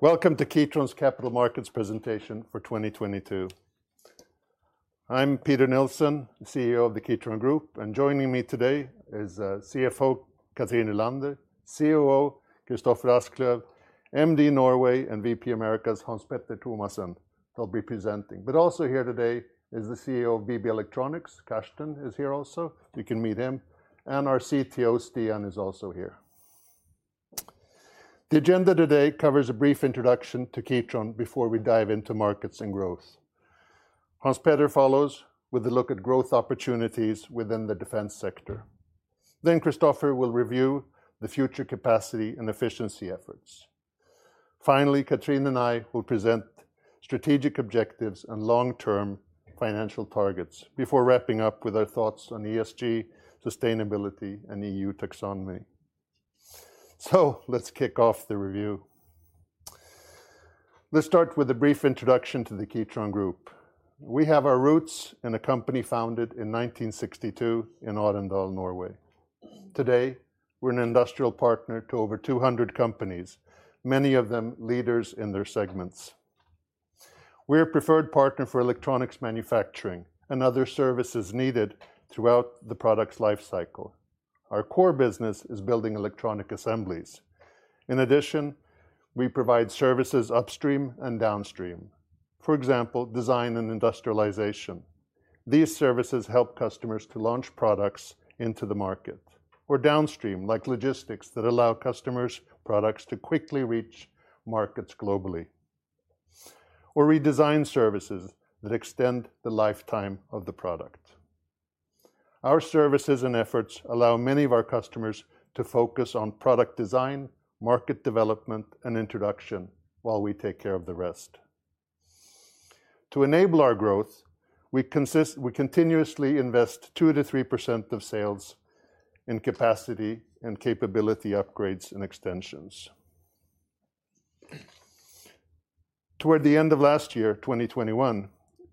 Welcome to Kitron's capital markets presentation for 2022. I'm Peter Nilsson, CEO of the Kitron Group, and joining me today is CFO Cathrine Nylander, COO Kristoffer Asklöv, MD Norway and VP Americas, Hans Petter Thomassen. They'll be presenting. Also here today is the CEO of BB Electronics, Carsten is here also, you can meet him, and our CTO, Stian, is also here. The agenda today covers a brief introduction to Kitron before we dive into markets and growth. Hans Petter follows with a look at growth opportunities within the defense sector. Kristoffer will review the future capacity and efficiency efforts. Finally, Cathrine and I will present strategic objectives and long-term financial targets before wrapping up with our thoughts on ESG, sustainability, and EU taxonomy. Let's kick off the review. Let's start with a brief introduction to the Kitron Group. We have our roots in a company founded in 1962 in Arendal, Norway. Today, we're an industrial partner to over 200 companies, many of them leaders in their segments. We're a preferred partner for electronics manufacturing and other services needed throughout the product's life cycle. Our core business is building electronic assemblies. We provide services upstream and downstream. Design and industrialization. These services help customers to launch products into the market, or downstream, like logistics that allow customers' products to quickly reach markets globally. Redesign services that extend the lifetime of the product. Our services and efforts allow many of our customers to focus on product design, market development, and introduction while we take care of the rest. To enable our growth, we continuously invest 2%-3% of sales in capacity and capability upgrades and extensions. Toward the end of last year, 2021,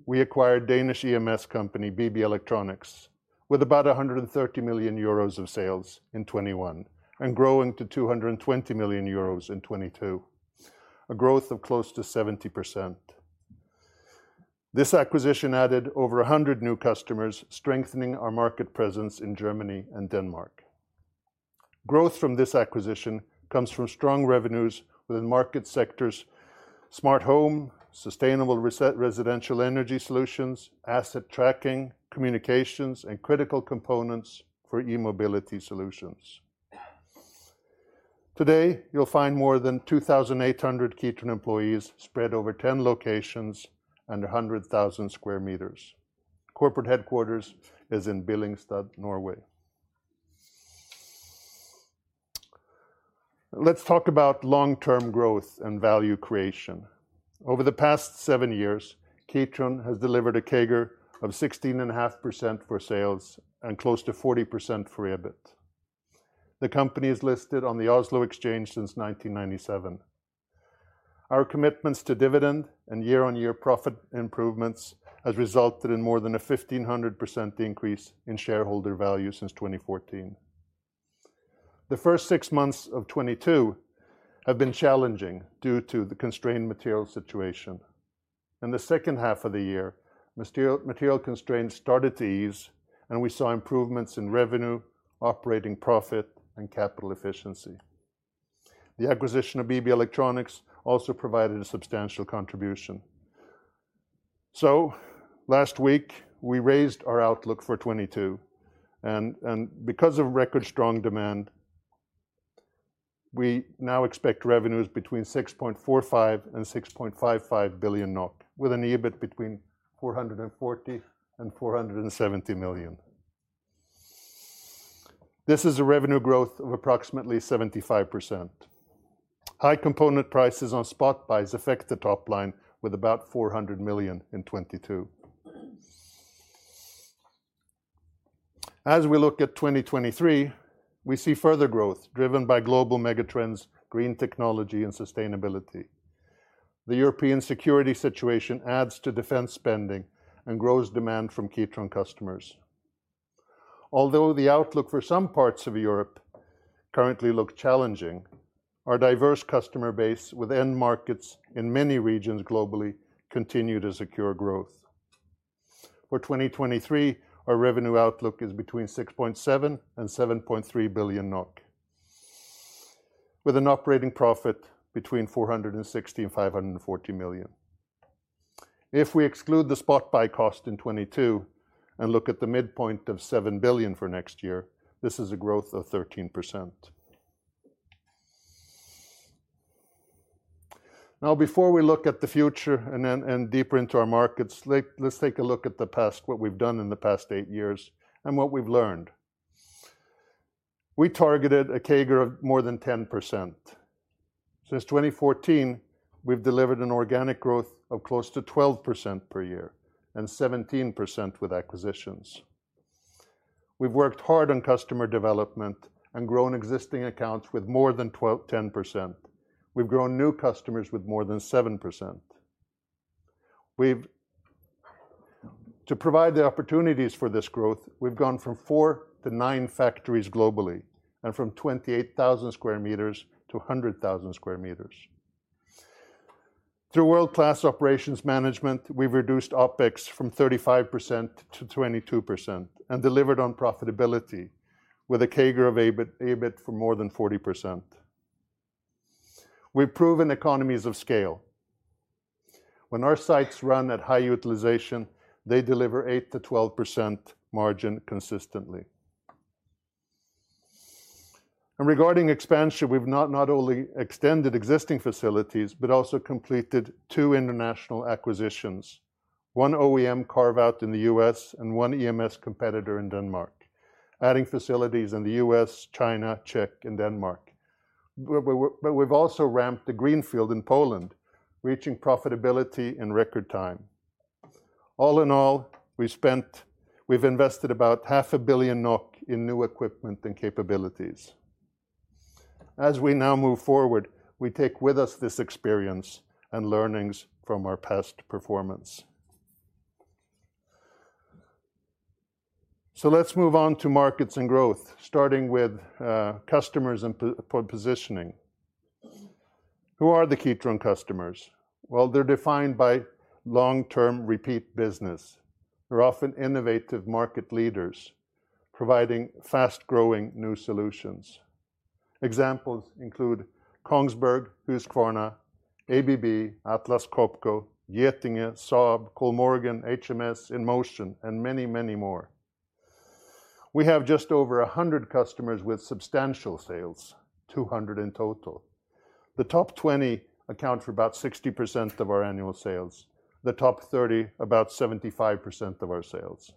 we acquired Danish EMS company, BB Electronics, with about 130 million euros of sales in 2021, and growing to 220 million euros in 2022, a growth of close to 70%. This acquisition added over 100 new customers, strengthening our market presence in Germany and Denmark. Growth from this acquisition comes from strong revenues within market sectors, smart home, sustainable residential energy solutions, asset tracking, communications, and critical components for e-mobility solutions. Today, you'll find more than 2,800 Kitron employees spread over 10 locations and 100,000 square meters. Corporate headquarters is in Billingstad, Norway. Let's talk about long-term growth and value creation. Over the past seven years, Kitron has delivered a CAGR of 16.5% for sales and close to 40% for EBIT. The company is listed on the Oslo Stock Exchange since 1997. Our commitments to dividend and year-on-year profit improvements has resulted in more than a 1,500% increase in shareholder value since 2014. The first six months of 2022 have been challenging due to the constrained material situation. In the second half of the year, material constraints started to ease, and we saw improvements in revenue, operating profit, and capital efficiency. The acquisition of BB Electronics also provided a substantial contribution. Last week, we raised our outlook for 2022, and because of record strong demand, we now expect revenues between 6.45 billion NOK and NOK 6.5 billion, with an EBIT between 440 million and 470 million. This is a revenue growth of approximately 75%. High component prices on spot buys affect the top line with about 400 million in 2022. We look at 2023, we see further growth driven by global megatrends, green technology, and sustainability. The European security situation adds to defense spending and grows demand from Kitron customers. The outlook for some parts of Europe currently look challenging, our diverse customer base with end markets in many regions globally continue to secure growth. For 2023, our revenue outlook is between 6.7 billion and 7.3 billion NOK, with an operating profit between 460 million and 540 million. We exclude the spot buy cost in 2022 and look at the midpoint of 7 billion for next year, this is a growth of 13%. Before we look at the future and deeper into our markets, let's take a look at the past, what we've done in the past eight years and what we've learned. We targeted a CAGR of more than 10%. Since 2014, we've delivered an organic growth of close to 12% per year and 17% with acquisitions. We've worked hard on customer development and grown existing accounts with more than 10%. We've grown new customers with more than 7%. To provide the opportunities for this growth, we've gone from four to nine factories globally and from 28,000 square meters to 100,000 square meters. Through world-class operations management, we've reduced OpEx from 35% to 22% and delivered on profitability with a CAGR of EBIT for more than 40%. We've proven economies of scale. When our sites run at high utilization, they deliver 8%-12% margin consistently. Regarding expansion, we've not only extended existing facilities, but also completed two international acquisitions, one OEM carve-out in the U.S. and one EMS competitor in Denmark, adding facilities in the U.S., China, Czech, and Denmark. We've also ramped a greenfield in Poland, reaching profitability in record time. All in all, we've invested about half a billion NOK in new equipment and capabilities. As we now move forward, we take with us this experience and learnings from our past performance. Let's move on to markets and growth, starting with customers and positioning. Who are the Kitron customers? Well, they're defined by long-term repeat business. They're often innovative market leaders providing fast-growing new solutions. Examples include Kongsberg, Husqvarna, ABB, Atlas Copco, Getinge, Saab, Kollmorgen, HMS, Inmotion, and many, many more. We have just over 100 customers with substantial sales, 200 in total. The top 20 account for about 60% of our annual sales, the top 30 about 75% of our sales.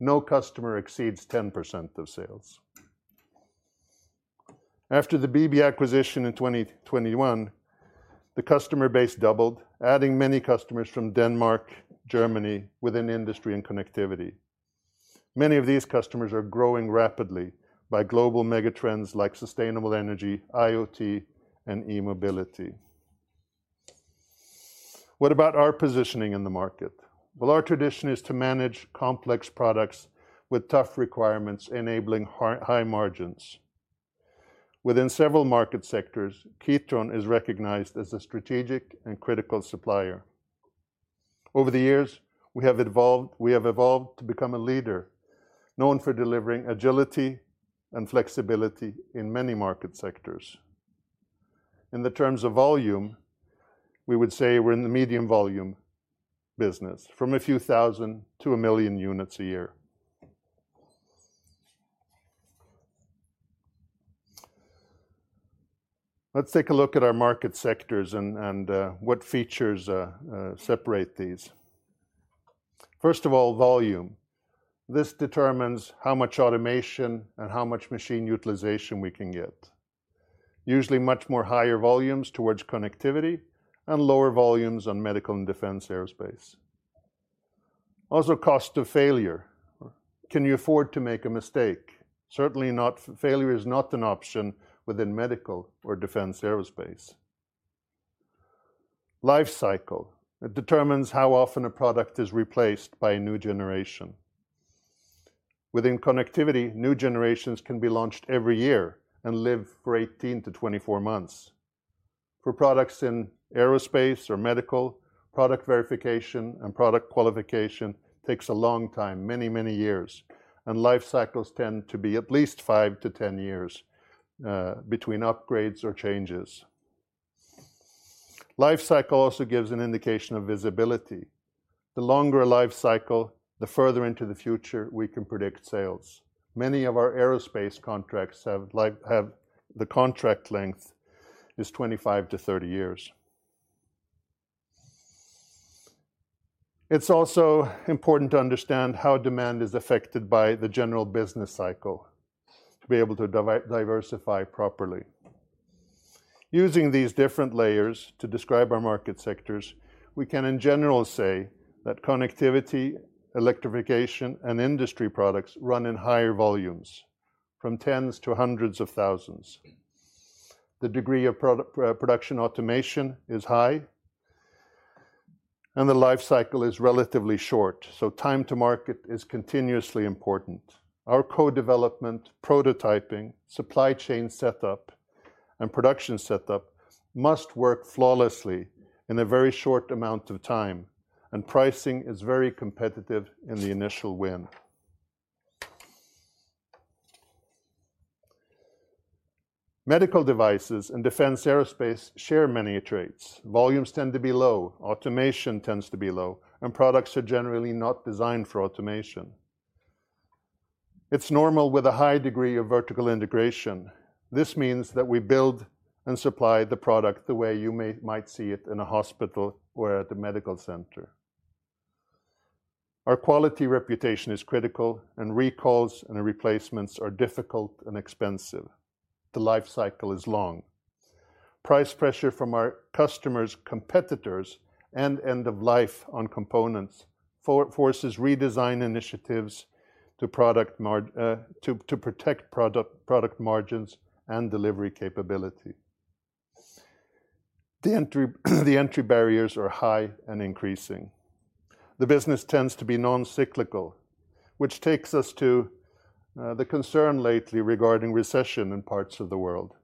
No customer exceeds 10% of sales. After the BB acquisition in 2021, the customer base doubled, adding many customers from Denmark, Germany, within industry and connectivity. Many of these customers are growing rapidly by global megatrends like sustainable energy, IoT, and e-mobility. What about our positioning in the market? Well, our tradition is to manage complex products with tough requirements, enabling high margins. Within several market sectors, Kitron is recognized as a strategic and critical supplier. Over the years, we have evolved to become a leader known for delivering agility and flexibility in many market sectors. In the terms of volume, we would say we're in the medium volume business, from a few thousand to 1 million units a year. Let's take a look at our market sectors and what features separate these. First of all, volume. This determines how much automation and how much machine utilization we can get. Usually much more higher volumes towards connectivity and lower volumes on medical and defense aerospace. Cost of failure. Can you afford to make a mistake? Certainly failure is not an option within medical or defense aerospace. Life cycle. It determines how often a product is replaced by a new generation. Within connectivity, new generations can be launched every year and live for 18-24 months. For products in aerospace or medical, product verification and product qualification takes a long time, many, many years, life cycles tend to be at least five to 10 years between upgrades or changes. Life cycle also gives an indication of visibility. The longer a life cycle, the further into the future we can predict sales. Many of our aerospace contracts have the contract length is 25 to 30 years. It's also important to understand how demand is affected by the general business cycle to be able to diversify properly. Using these different layers to describe our market sectors, we can in general say that connectivity, electrification, industry products run in higher volumes from tens to hundreds of thousands. The degree of production automation is high, the life cycle is relatively short, time to market is continuously important. Our co-development, prototyping, supply chain setup, and production setup must work flawlessly in a very short amount of time, and pricing is very competitive in the initial win. Medical devices and defense aerospace share many traits. Volumes tend to be low, automation tends to be low, and products are generally not designed for automation. It's normal with a high degree of vertical integration. This means that we build and supply the product the way you might see it in a hospital or at the medical center. Our quality reputation is critical, and recalls and replacements are difficult and expensive. The life cycle is long. Price pressure from our customers, competitors, and end of life on components forces redesign initiatives to protect product margins and delivery capability. The entry barriers are high and increasing. The business tends to be non-cyclical, which takes us to the concern lately regarding recession in parts of the world.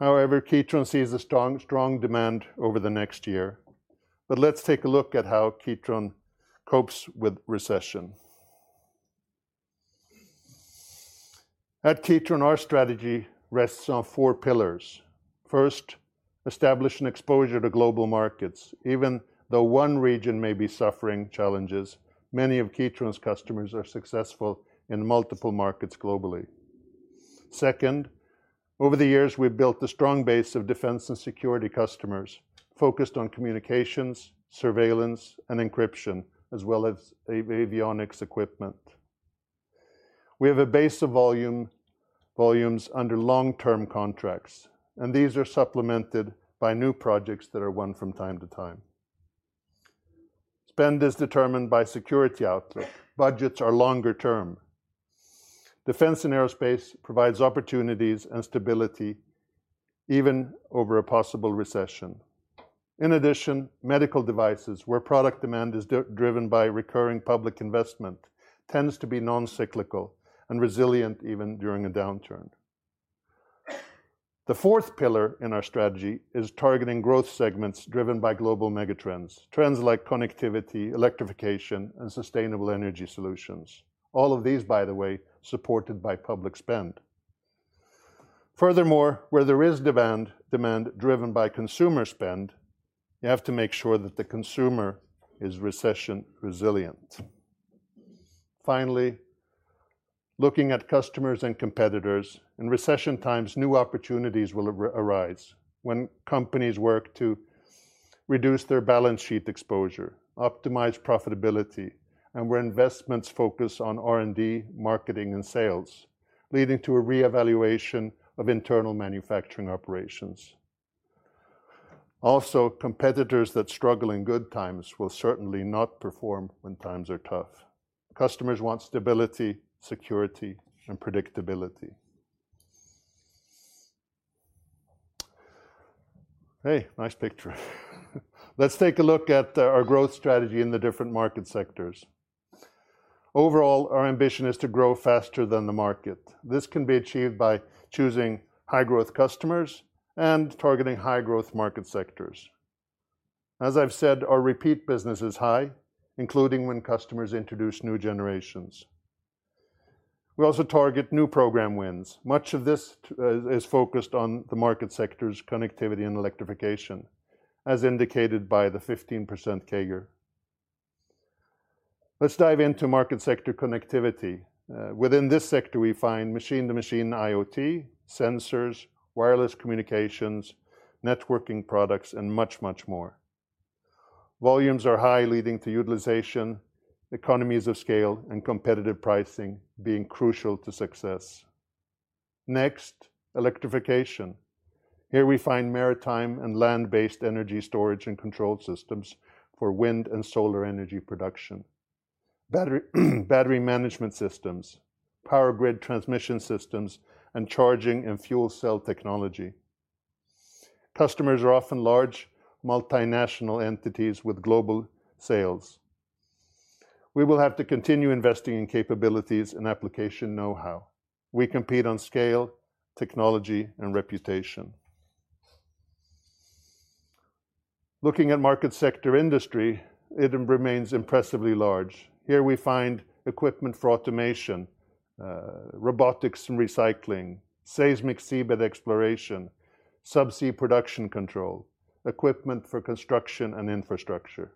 Kitron sees a strong demand over the next year. Let's take a look at how Kitron copes with recession. At Kitron, our strategy rests on four pillars. First, establish an exposure to global markets. Even though one region may be suffering challenges, many of Kitron's customers are successful in multiple markets globally. Second, over the years, we've built a strong base of defense and security customers focused on communications, surveillance, and encryption, as well as avionics equipment. We have a base of volumes under long-term contracts, and these are supplemented by new projects that are won from time to time. Spend is determined by security outlook. Budgets are longer term. Defense and aerospace provides opportunities and stability even over a possible recession. In addition, medical devices, where product demand is driven by recurring public investment, tends to be non-cyclical and resilient even during a downturn. The fourth pillar in our strategy is targeting growth segments driven by global megatrends, trends like connectivity, electrification, and sustainable energy solutions. All of these, by the way, supported by public spend. Furthermore, where there is demand-driven by consumer spend, you have to make sure that the consumer is recession resilient. Finally, looking at customers and competitors, in recession times, new opportunities will arise when companies work to reduce their balance sheet exposure, optimize profitability, and where investments focus on R&D, marketing, and sales, leading to a reevaluation of internal manufacturing operations. Also, competitors that struggle in good times will certainly not perform when times are tough. Customers want stability, security, and predictability. Hey, nice picture. Let's take a look at our growth strategy in the different market sectors. Overall, our ambition is to grow faster than the market. This can be achieved by choosing high-growth customers and targeting high-growth market sectors. As I've said, our repeat business is high, including when customers introduce new generations. We also target new program wins. Much of this is focused on the market sectors connectivity and electrification, as indicated by the 15% CAGR. Let's dive into market sector connectivity. Within this sector, we find machine-to-machine IoT, sensors, wireless communications, networking products, and much, much more. Volumes are high, leading to utilization, economies of scale, and competitive pricing being crucial to success. Next, electrification. Here we find maritime and land-based energy storage and control systems for wind and solar energy production, battery management systems, power grid transmission systems, and charging and fuel cell technology. Customers are often large multinational entities with global sales. We will have to continue investing in capabilities and application know-how. We compete on scale, technology, and reputation. Looking at market sector industry, it remains impressively large. Here we find equipment for automation, robotics and recycling, seismic seabed exploration, sub-sea production control, equipment for construction and infrastructure.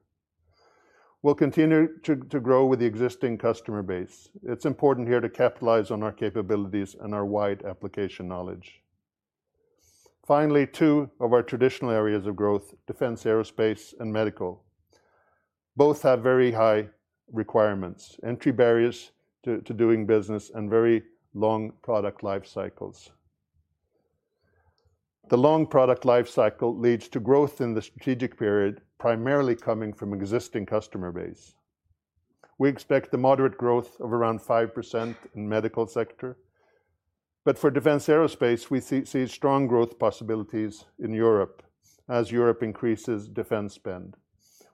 We'll continue to grow with the existing customer base. It's important here to capitalize on our capabilities and our wide application knowledge. Finally, two of our traditional areas of growth, defense, aerospace, and medical, both have very high requirements, entry barriers to doing business, and very long product life cycles. The long product life cycle leads to growth in the strategic period, primarily coming from existing customer base. We expect the moderate growth of around 5% in medical sector, for defense aerospace, we see strong growth possibilities in Europe as Europe increases defense spend.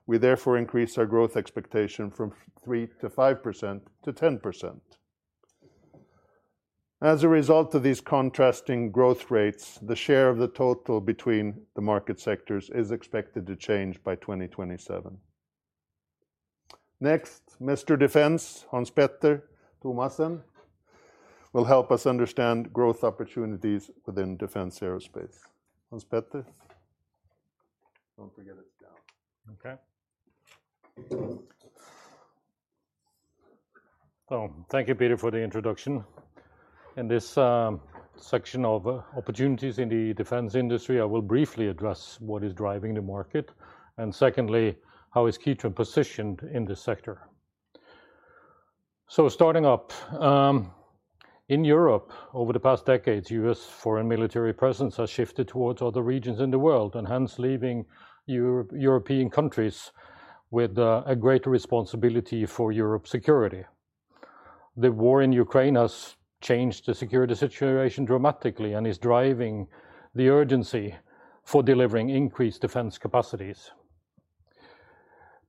We therefore increase our growth expectation from 3%-5% to 10%. As a result of these contrasting growth rates, the share of the total between the market sectors is expected to change by 2027. Next, Mr. Defense, Hans Petter Thomassen, will help us understand growth opportunities within defense aerospace. Hans Petter? Don't forget it's down. Thank you, Peter, for the introduction. In this section of opportunities in the defense industry, I will briefly address what is driving the market, and secondly, how is Kitron positioned in this sector. Starting up in Europe over the past decades, U.S. foreign military presence has shifted towards other regions in the world, and hence leaving European countries with a greater responsibility for Europe's security. The war in Ukraine has changed the security situation dramatically and is driving the urgency for delivering increased defense capacities.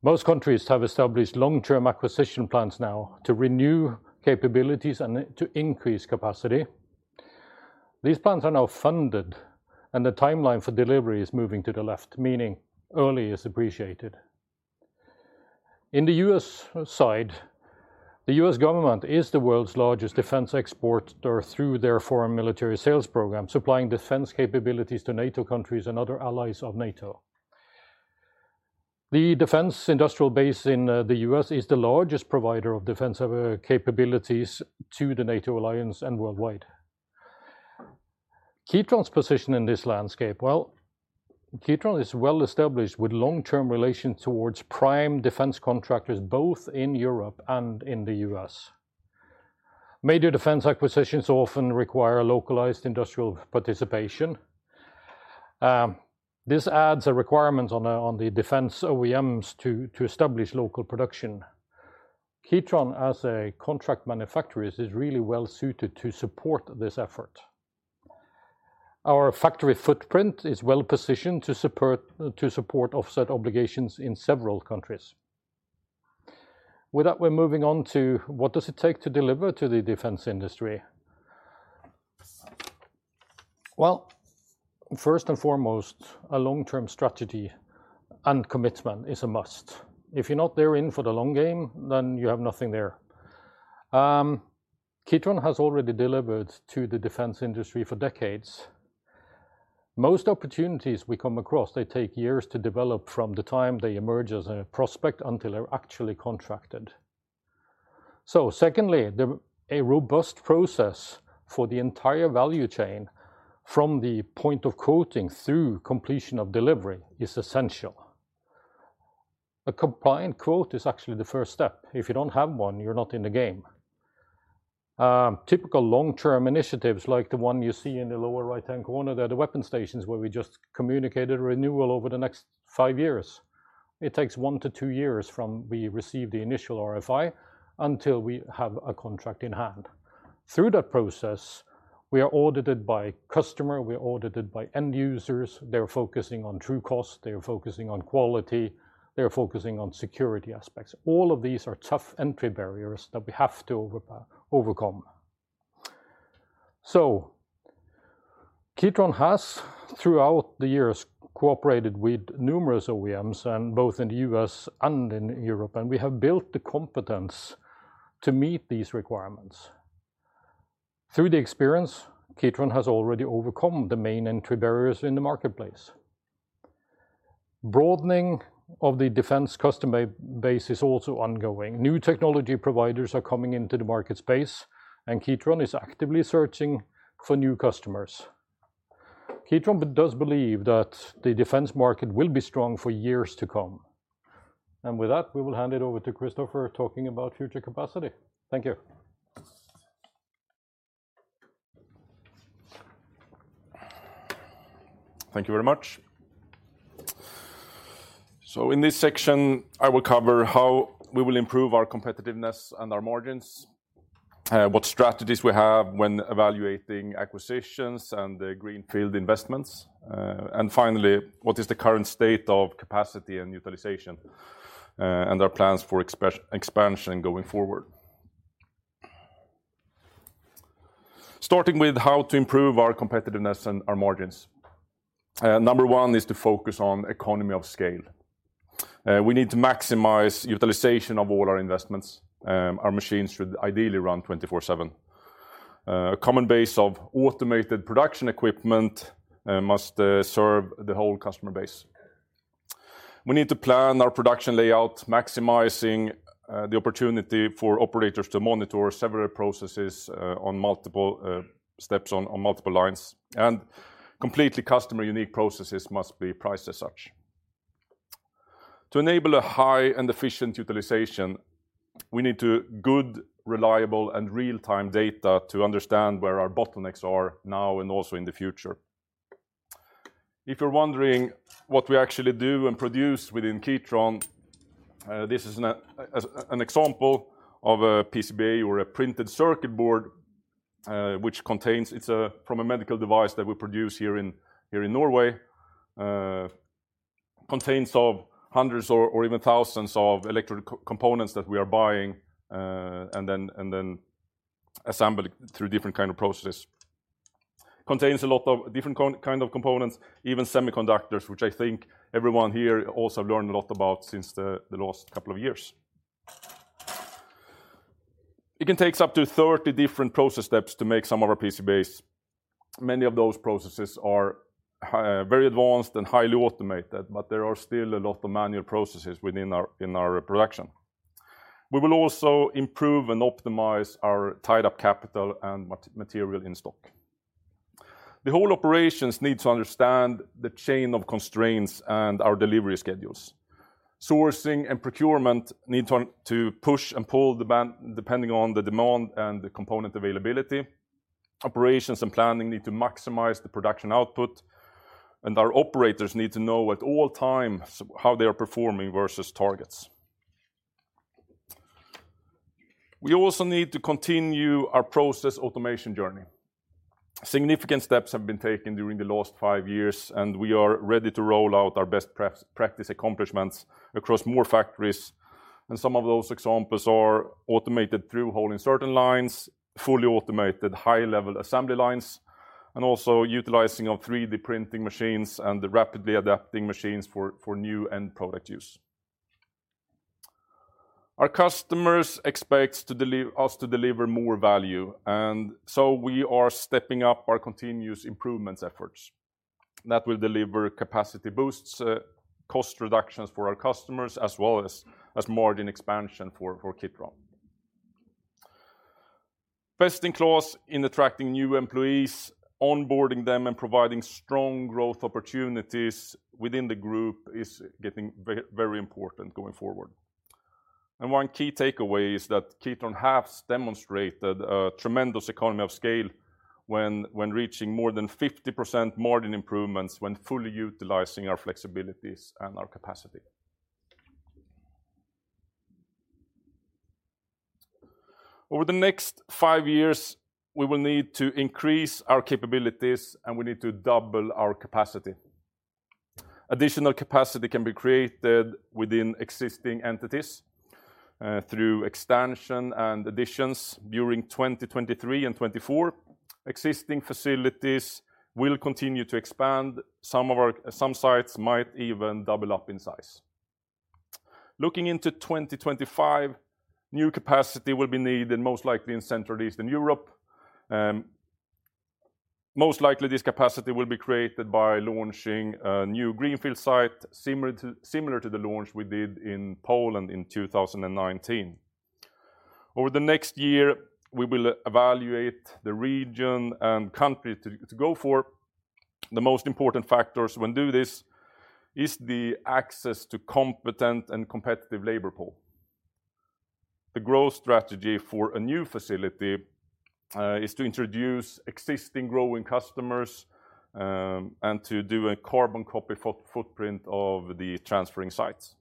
Most countries have established long-term acquisition plans now to renew capabilities and to increase capacity. These plans are now funded, and the timeline for delivery is moving to the left, meaning early is appreciated. In the U.S. side, the U.S. government is the world's largest defense exporter through their Foreign Military Sales program, supplying defense capabilities to NATO countries and other allies of NATO. The defense industrial base in the U.S. is the largest provider of defensive capabilities to the NATO alliance and worldwide. Kitron's position in this landscape, well, Kitron is well-established with long-term relations towards prime defense contractors, both in Europe and in the US. Major defense acquisitions often require localized industrial participation. This adds a requirement on the defense OEMs to establish local production. Kitron as a contract manufacturer is really well suited to support this effort. Our factory footprint is well-positioned to support offset obligations in several countries. With that, we're moving on to what does it take to deliver to the defense industry? First and foremost, a long-term strategy and commitment is a must. If you're not there in for the long game, then you have nothing there. Kitron has already delivered to the defense industry for decades. Most opportunities we come across, they take years to develop from the time they emerge as a prospect until they're actually contracted. Secondly, a robust process for the entire value chain from the point of quoting through completion of delivery is essential. A compliant quote is actually the first step. If you don't have one, you're not in the game. Typical long-term initiatives like the one you see in the lower right-hand corner, they're the weapon stations where we just communicated renewal over the next five years. It takes one-two years from we receive the initial RFI until we have a contract in hand. Through that process, we are audited by customer, we are audited by end users. They're focusing on true cost, they're focusing on quality, they're focusing on security aspects. All of these are tough entry barriers that we have to overcome. Kitron has, throughout the years, cooperated with numerous OEMs and both in the U.S. and in Europe, and we have built the competence to meet these requirements. Through the experience, Kitron has already overcome the main entry barriers in the marketplace. Broadening of the defense customer base is also ongoing. New technology providers are coming into the market space, and Kitron is actively searching for new customers. Kitron does believe that the defense market will be strong for years to come. With that, we will hand it over to Kristoffer talking about future capacity. Thank you. Thank you very much. In this section, I will cover how we will improve our competitiveness and our margins, what strategies we have when evaluating acquisitions and the greenfield investments. Finally, what is the current state of capacity and utilization, and our plans for expansion going forward. Starting with how to improve our competitiveness and our margins. Number one is to focus on economy of scale. We need to maximize utilization of all our investments. Our machines should ideally run 24/7. A common base of automated production equipment must serve the whole customer base. We need to plan our production layout, maximizing the opportunity for operators to monitor several processes on multiple steps on multiple lines. Completely customer-unique processes must be priced as such. To enable a high and efficient utilization, we need to... good, reliable, and real-time data to understand where our bottlenecks are now and also in the future. If you're wondering what we actually do and produce within Kitron, this is an example of a PCB or a printed circuit board, which contains. It's from a medical device that we produce here in Norway. Contains of hundreds or even thousands of electric co-components that we are buying, and then assembled through different kind of processes. Contains a lot of different kind of components, even semiconductors, which I think everyone here also learned a lot about since the last couple of years. It can takes up to 30 different process steps to make some of our PCBs. Many of those processes are very advanced and highly automated, but there are still a lot of manual processes in our production. We will also improve and optimize our tied-up capital and material in stock. The whole operations need to understand the chain of constraints and our delivery schedules. Sourcing and procurement need to push and pull depending on the demand and the component availability. Operations and planning need to maximize the production output, and our operators need to know at all times how they are performing versus targets. We also need to continue our process automation journey. Significant steps have been taken during the last five years, and we are ready to roll out our best practice accomplishments across more factories. Some of those examples are automated through hole in certain lines, fully automated high-level assembly lines, and also utilizing of 3D printing machines and the rapidly adapting machines for new end product use. Our customers expect us to deliver more value, and so we are stepping up our continuous improvements efforts that will deliver capacity boosts, cost reductions for our customers, as well as margin expansion for Kitron. Investing clause in attracting new employees, onboarding them, and providing strong growth opportunities within the group is getting very important going forward. One key takeaway is that Kitron has demonstrated a tremendous economy of scale when reaching more than 50% margin improvements when fully utilizing our flexibilities and our capacity. Over the next five years, we will need to increase our capabilities, and we need to double our capacity. Additional capacity can be created within existing entities, through expansion and additions during 2023 and 2024. Existing facilities will continue to expand. Some sites might even double up in size. Looking into 2025, new capacity will be needed, most likely in central Eastern Europe. Most likely this capacity will be created by launching a new greenfield site similar to the launch we did in Poland in 2019. Over the next year, we will evaluate the region and country to go for. The most important factors when do this is the access to competent and competitive labor pool. The growth strategy for a new facility is to introduce existing growing customers and to do a carbon copy footprint of the transferring sites.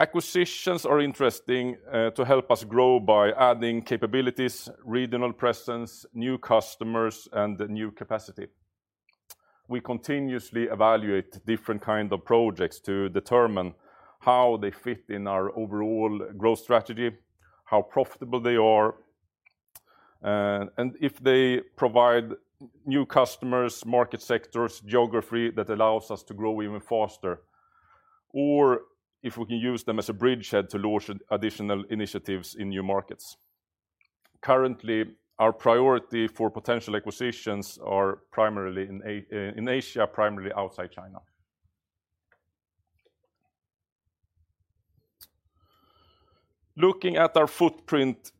Acquisitions are interesting to help us grow by adding capabilities, regional presence, new customers, and new capacity. We continuously evaluate different kind of projects to determine how they fit in our overall growth strategy, how profitable they are and if they provide new customers, market sectors, geography that allows us to grow even faster. If we can use them as a bridgehead to launch additional initiatives in new markets. Currently, our priority for potential acquisitions are primarily in Asia, primarily outside China. Looking at our footprint,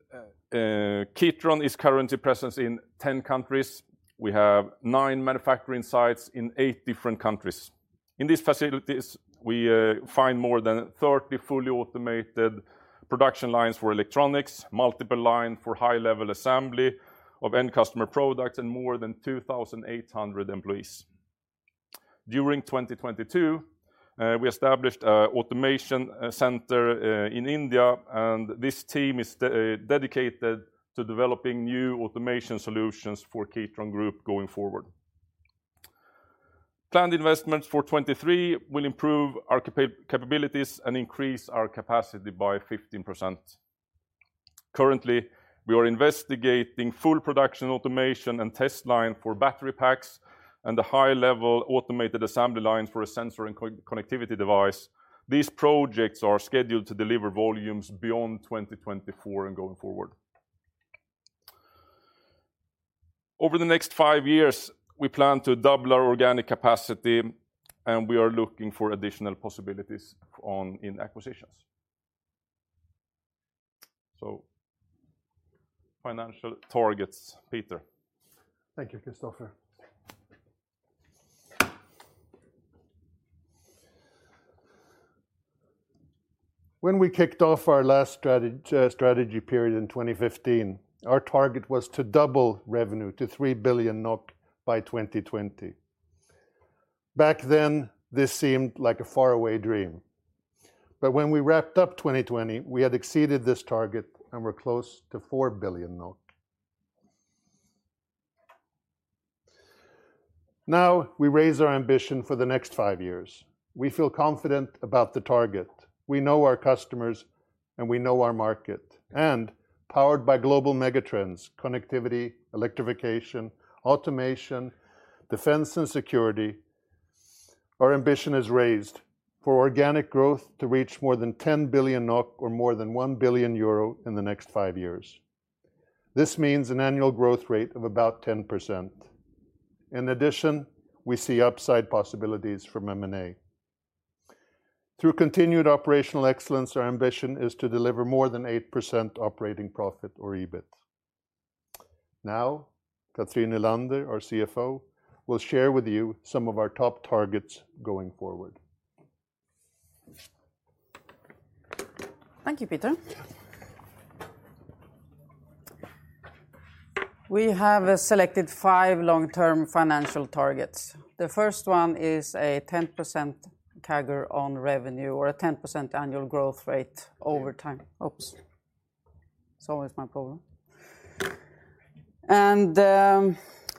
Kitron is currently present in 10 countries. We have nine manufacturing sites in eight different countries. In these facilities, we find more than 30 fully automated production lines for electronics, multiple line for high-level assembly of end customer products, and more than 2,800 employees. During 2022, we established a automation center in India. This team is dedicated to developing new automation solutions for Kitron Group going forward. Planned investments for 2023 will improve our capabilities and increase our capacity by 15%. Currently, we are investigating full production automation and test line for battery packs and a high-level automated assembly lines for a sensor and connectivity device. These projects are scheduled to deliver volumes beyond 2024 and going forward. Over the next five years, we plan to double our organic capacity. We are looking for additional possibilities in acquisitions. Financial targets, Peter. Thank you, Kristoffer. When we kicked off our last strategy period in 2015, our target was to double revenue to 3 billion NOK by 2020. Back then, this seemed like a faraway dream. When we wrapped up 2020, we had exceeded this target and were close to 4 billion NOK. Now, we raise our ambition for the next five years. We feel confident about the target. We know our customers, and we know our market. Powered by global megatrends, connectivity, electrification, automation, defense, and security, our ambition is raised for organic growth to reach more than 10 billion NOK or more than 1 billion euro in the next five years. This means an annual growth rate of about 10%. In addition, we see upside possibilities from M&A. Through continued operational excellence, our ambition is to deliver more than 8% operating profit or EBIT. Cathrine Nylander, our CFO, will share with you some of our top targets going forward. Thank you, Peter. We have selected five long-term financial targets. The first one is a 10% CAGR on revenue or a 10% annual growth rate over time. Oops. It's always my problem.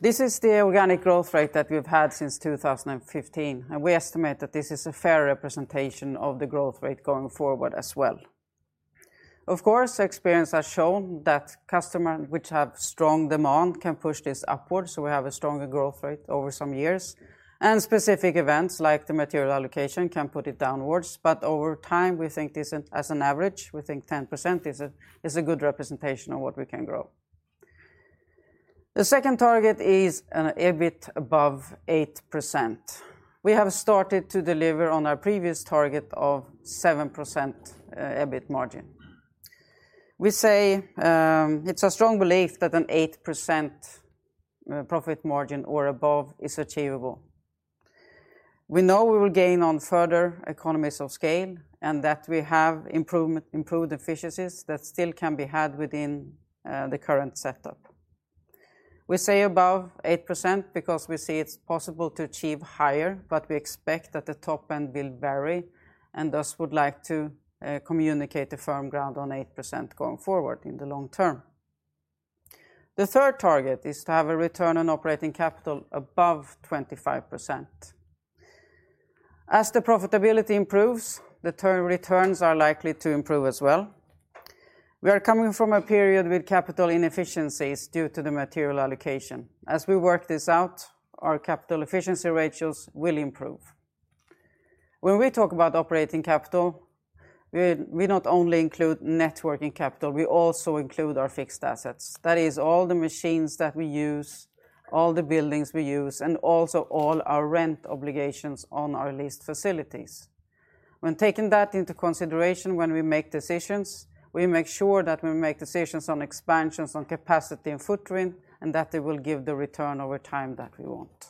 This is the organic growth rate that we've had since 2015, and we estimate that this is a fair representation of the growth rate going forward as well. Of course, experience has shown that customer which have strong demand can push this upwards, so we have a stronger growth rate over some years, and specific events like the material allocation can put it downwards, but over time, we think this, as an average, we think 10% is a good representation of what we can grow. The second target is an EBIT above 8%. We have started to deliver on our previous target of 7% EBIT margin. We say, it's a strong belief that an 8% profit margin or above is achievable. We know we will gain on further economies of scale and that we have improved efficiencies that still can be had within the current setup. We say above 8% because we see it's possible to achieve higher, but we expect that the top end will vary and thus would like to communicate a firm ground on 8% going forward in the long term. The third target is to have a return on operating capital above 25%. As the profitability improves, the returns are likely to improve as well. We are coming from a period with capital inefficiencies due to the material allocation. As we work this out, our capital efficiency ratios will improve. When we talk about operating capital, we not only include net working capital, we also include our fixed assets. That is all the machines that we use, all the buildings we use, and also all our rent obligations on our leased facilities. When taking that into consideration when we make decisions, we make sure that we make decisions on expansions on capacity and footprint, and that they will give the return over time that we want.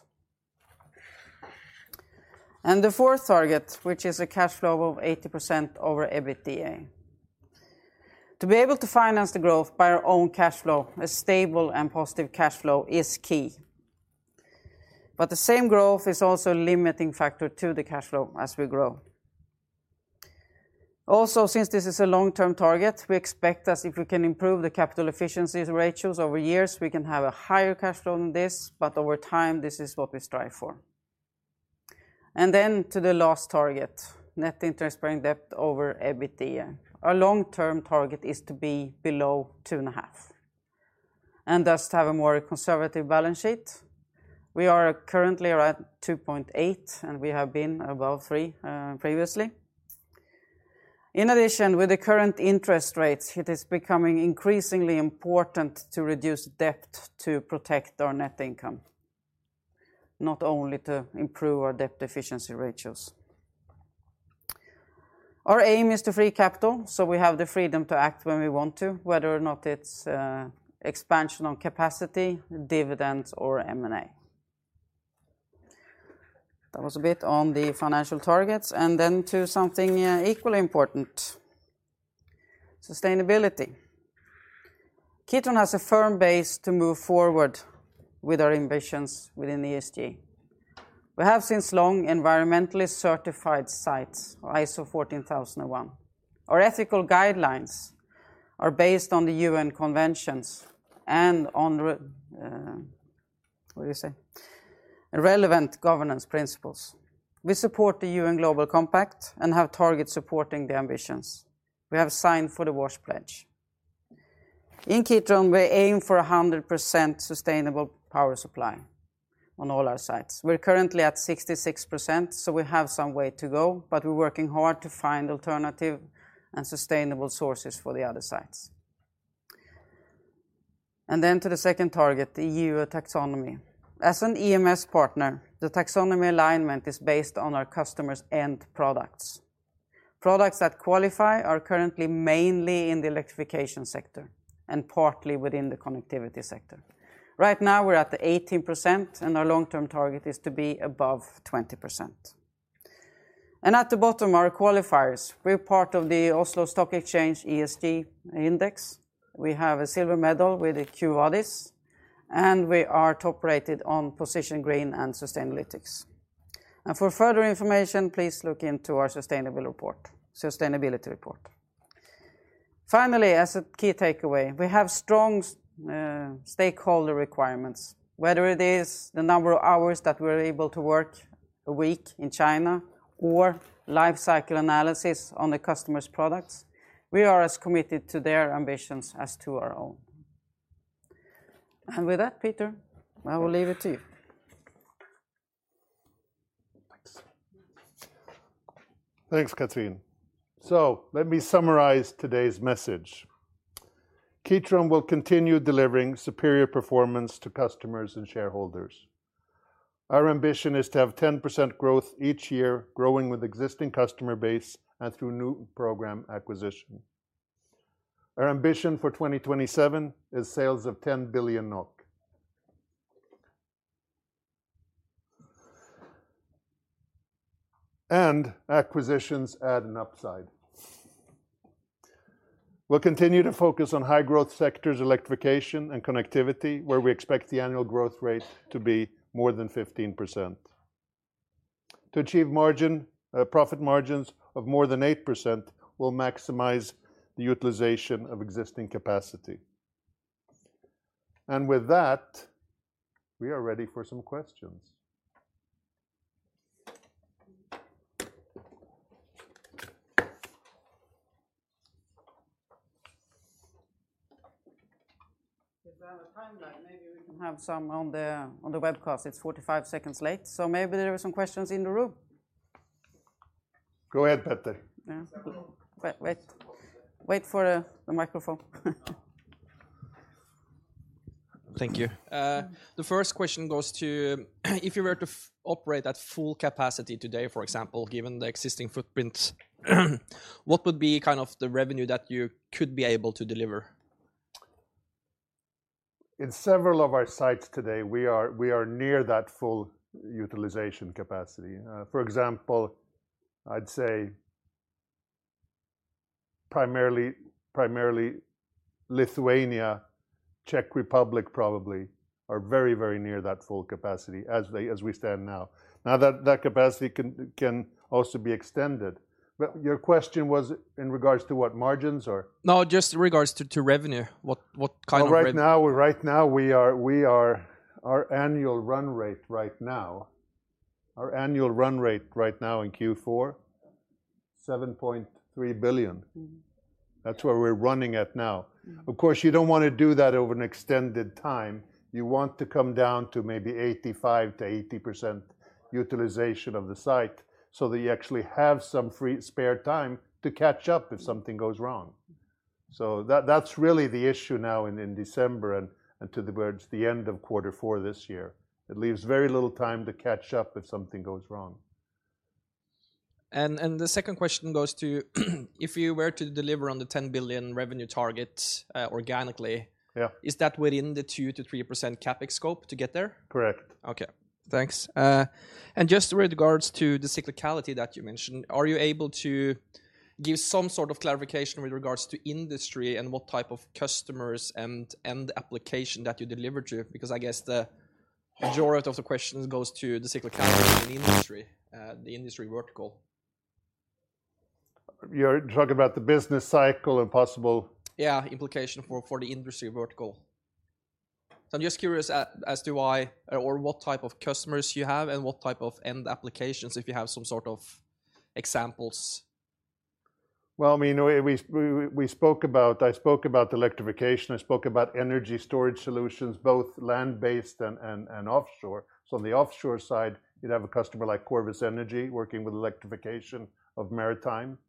The fourth target, which is a cash flow of 80% over EBITDA. To be able to finance the growth by our own cash flow, a stable and positive cash flow is key. The same growth is also a limiting factor to the cash flow as we grow. Also, since this is a long-term target, we expect as if we can improve the capital efficiencies ratios over years, we can have a higher cash flow than this, but over time, this is what we strive for. To the last target, net interest-bearing debt over EBITDA. Our long-term target is to be below 2.5, and thus to have a more conservative balance sheet. We are currently around 2.8, and we have been above 3 previously. In addition, with the current interest rates, it is becoming increasingly important to reduce debt to protect our net income, not only to improve our debt efficiency ratios. Our aim is to free capital, so we have the freedom to act when we want to, whether or not it's expansion on capacity, dividends or M&A. That was a bit on the financial targets, to something equally important, sustainability. Kitron has a firm base to move forward with our ambitions within ESG. We have since long environmentally certified sites, ISO 14001. Our ethical guidelines are based on the UN conventions and on, what do you say? Relevant governance principles. We support the UN Global Compact and have targets supporting the ambitions. We have signed for the WASH Pledge. In Kitron, we aim for 100% sustainable power supply on all our sites. We're currently at 66%, so we have some way to go, but we're working hard to find alternative and sustainable sources for the other sites. To the second target, the EU taxonomy. As an EMS partner, the taxonomy alignment is based on our customers' end products. Products that qualify are currently mainly in the electrification sector and partly within the connectivity sector. Right now, we're at the 18%, and our long-term target is to be above 20%. At the bottom are qualifiers. We're part of the Oslo Stock Exchange ESG Index. We have a silver medal with the EcoVadis, and we are top-rated on Position Green and Sustainalytics. For further information, please look into our sustainability report. Finally, as a key takeaway, we have strong stakeholder requirements. Whether it is the number of hours that we're able to work a week in China or life cycle analysis on the customer's products, we are as committed to their ambitions as to our own. With that, Peter, I will leave it to you. Thanks. Thanks, Cathrine. Let me summarize today's message. Kitron will continue delivering superior performance to customers and shareholders. Our ambition is to have 10% growth each year, growing with existing customer base and through new program acquisition. Our ambition for 2027 is sales of 10 billion NOK. Acquisitions add an upside. We'll continue to focus on high growth sectors, electrification and connectivity, where we expect the annual growth rate to be more than 15%. To achieve margin, profit margins of more than 8%, we'll maximize the utilization of existing capacity. With that, we are ready for some questions. If we have a timeline, maybe we can have some on the, on the webcast. It's 45 seconds late, maybe there are some questions in the room. Go ahead, Petter. Yeah. Wait, wait. Wait for the microphone. Thank you. The first question goes to if you were to operate at full capacity today, for example, given the existing footprint, what would be kind of the revenue that you could be able to deliver? In several of our sites today, we are near that full utilization capacity. For example, I'd say primarily Lithuania, Czech Republic probably are very near that full capacity as they, as we stand now. That capacity can also be extended. Your question was in regards to what? Margins or? No, just in regards to revenue. What kind of. Right now Our annual run rate right now in Q4, 7.3 billion. Mm-hmm. That's where we're running at now. You don't wanna do that over an extended time. You want to come down to maybe 85%-80% utilization of the site, so that you actually have some free spare time to catch up if something goes wrong. That's really the issue now in December and to the towards the end of quarter four this year. It leaves very little time to catch up if something goes wrong. The second question goes to if you were to deliver on the 10 billion revenue target organically. Yeah is that within the 2%-3% CapEx scope to get there? Correct. Okay. Thanks. Just with regards to the cyclicality that you mentioned, are you able to give some sort of clarification with regards to industry and what type of customers and application that you deliver to? I guess the majority of the questions goes to the cyclicality in industry, the industry vertical. You're talking about the business cycle and. Yeah, implication for the industry vertical. I'm just curious as to why or what type of customers you have and what type of end applications, if you have some sort of examples? Well, I mean, we spoke about, I spoke about electrification, I spoke about energy storage solutions, both land-based and offshore. On the offshore side, you'd have a customer like Corvus Energy working with electrification of maritime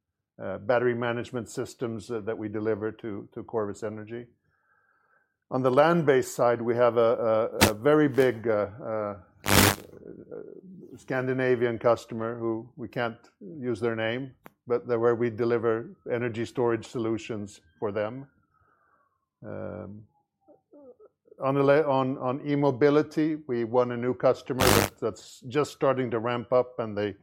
battery management systems that we deliver to Corvus Energy. On the land-based side, we have a very big Scandinavian customer who we can't use their name, but they're where we deliver energy storage solutions for them. On e-mobility, we won a new customer that's just starting to ramp up, and they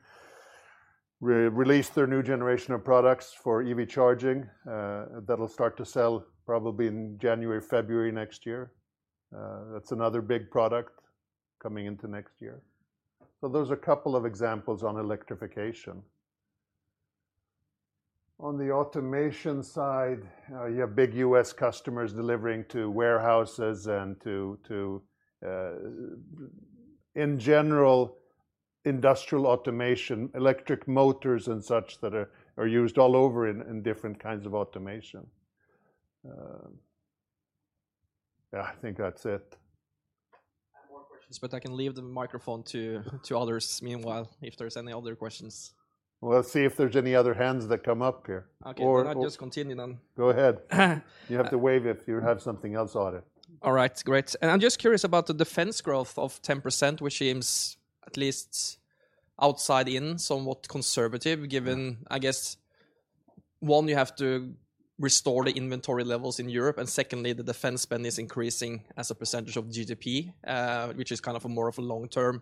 re-released their new generation of products for EV charging that'll start to sell probably in January, February next year. That's another big product coming into next year. Those are a couple of examples on electrification. On the automation side, you have big U.S. customers delivering to warehouses and to, in general, industrial automation, electric motors and such that are used all over in different kinds of automation. Yeah, I think that's it. I have more questions, but I can leave the microphone to others meanwhile, if there's any other questions. Well, let's see if there's any other hands that come up here. Okay. I'll just continue then. Go ahead. You have to wave if you have something else, Are. All right. Great. I'm just curious about the defense growth of 10%, which seems at least outside in, somewhat conservative, given, I guess, one, you have to restore the inventory levels in Europe, and two, the defense spend is increasing as a percentage of GDP, which is kind of a more of a long-term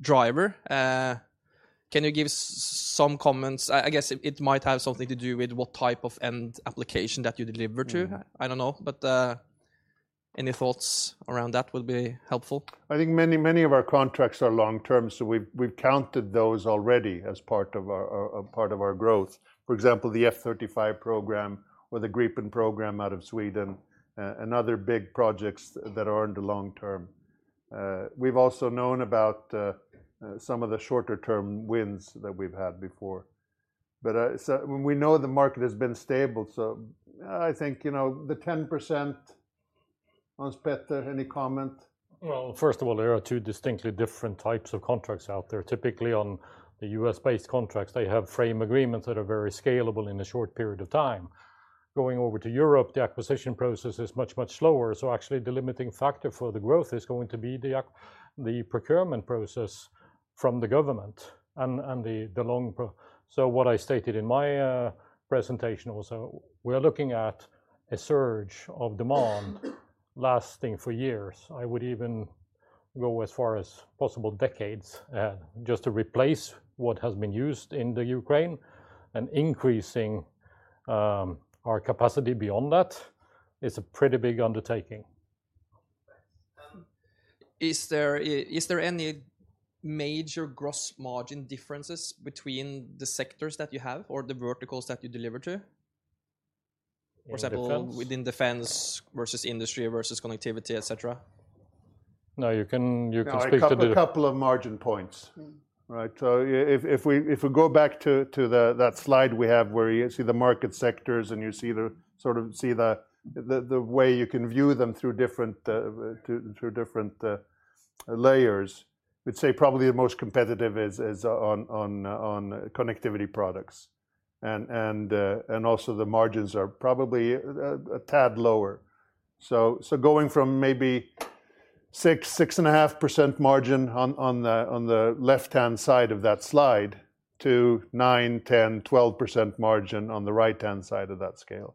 driver. Can you give some comments? I guess it might have something to do with what type of end application that you deliver to. Mm-hmm. I don't know, but, any thoughts around that will be helpful. I think many, many of our contracts are long-term, so we've counted those already as part of our part of our growth. For example, the F-35 program or the Gripen program out of Sweden, and other big projects that are in the long term. We've also known about some of the shorter-term wins that we've had before. When we know the market has been stable, I think, you know, the 10%, Hans Petter, any comment? Well, first of all, there are two distinctly different types of contracts out there. Typically, on the U.S.-based contracts, they have frame agreements that are very scalable in a short period of time. Going over to Europe, the acquisition process is much, much slower, actually the limiting factor for the growth is going to be the procurement process From the government and the long. What I stated in my presentation also, we are looking at a surge of demand lasting for years. I would even go as far as possible decades, just to replace what has been used in the Ukraine, and increasing our capacity beyond that is a pretty big undertaking. Thanks. Is there any major gross margin differences between the sectors that you have or the verticals that you deliver to? In defense? For example, within defense versus industry versus connectivity, et cetera. No, you can speak to. A couple of margin points. Mm. Right. If we go back to the that slide we have where you see the market sectors, and you see the sort of way you can view them through different layers, we'd say probably the most competitive is on connectivity products. Also the margins are probably a tad lower. Going from maybe 6-6.5% margin on the left-hand side of that slide to 9%, 10%, 12% margin on the right-hand side of that scale.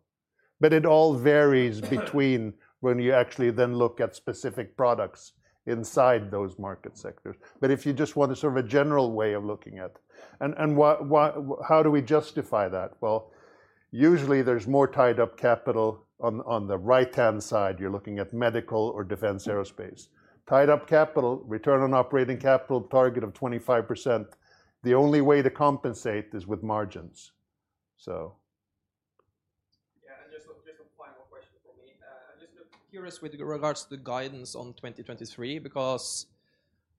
It all varies between when you actually then look at specific products inside those market sectors. If you just want a sort of a general way of looking at. Why, how do we justify that? Usually there's more tied up capital on the right-hand side. You're looking at medical or defense aerospace. Tied up capital, return on operating capital, target of 25%, the only way to compensate is with margins. Yeah. Just one final question from me. I'm just curious with regards to the guidance on 2023, because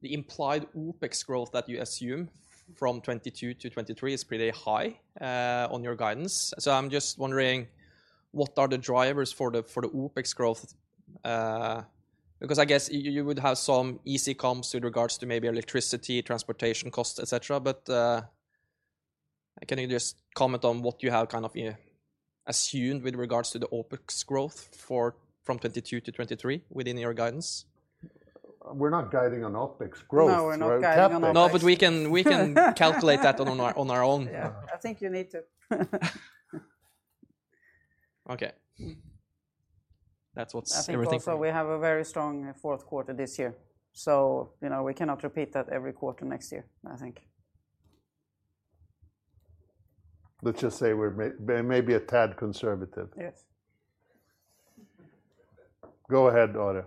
the implied OpEx growth that you assume from 2022 to 2023 is pretty high on your guidance. I'm just wondering, what are the drivers for the OpEx growth? Because I guess you would have some easy comps with regards to maybe electricity, transportation costs, et cetera. Can you just comment on what you have kind of assumed with regards to the OpEx growth for, from 2022 to 2023 within your guidance? We're not guiding on OpEx growth. No, we're not guiding on OpEx. No, we can calculate that on our own. Yeah. I think you need to. Okay. That's what's everything- I think also we have a very strong fourth quarter this year, so, you know, we cannot repeat that every quarter next year, I think. Let's just say we're maybe a tad conservative. Yes. Go ahead, Otto.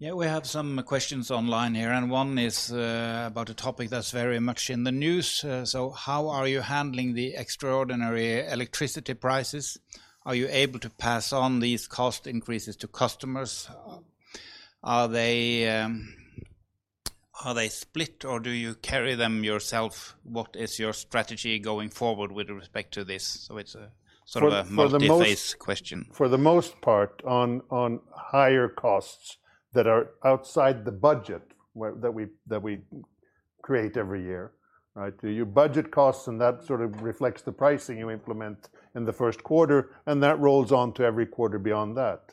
We have some questions online here, and one is about a topic that's very much in the news. How are you handling the extraordinary electricity prices? Are you able to pass on these cost increases to customers? Are they, are they split, or do you carry them yourself? What is your strategy going forward with respect to this? It's a sort of a multi-phase question. For the most part, on higher costs that are outside the budget that we create every year, right? You budget costs, and that sort of reflects the pricing you implement in the first quarter, and that rolls on to every quarter beyond that.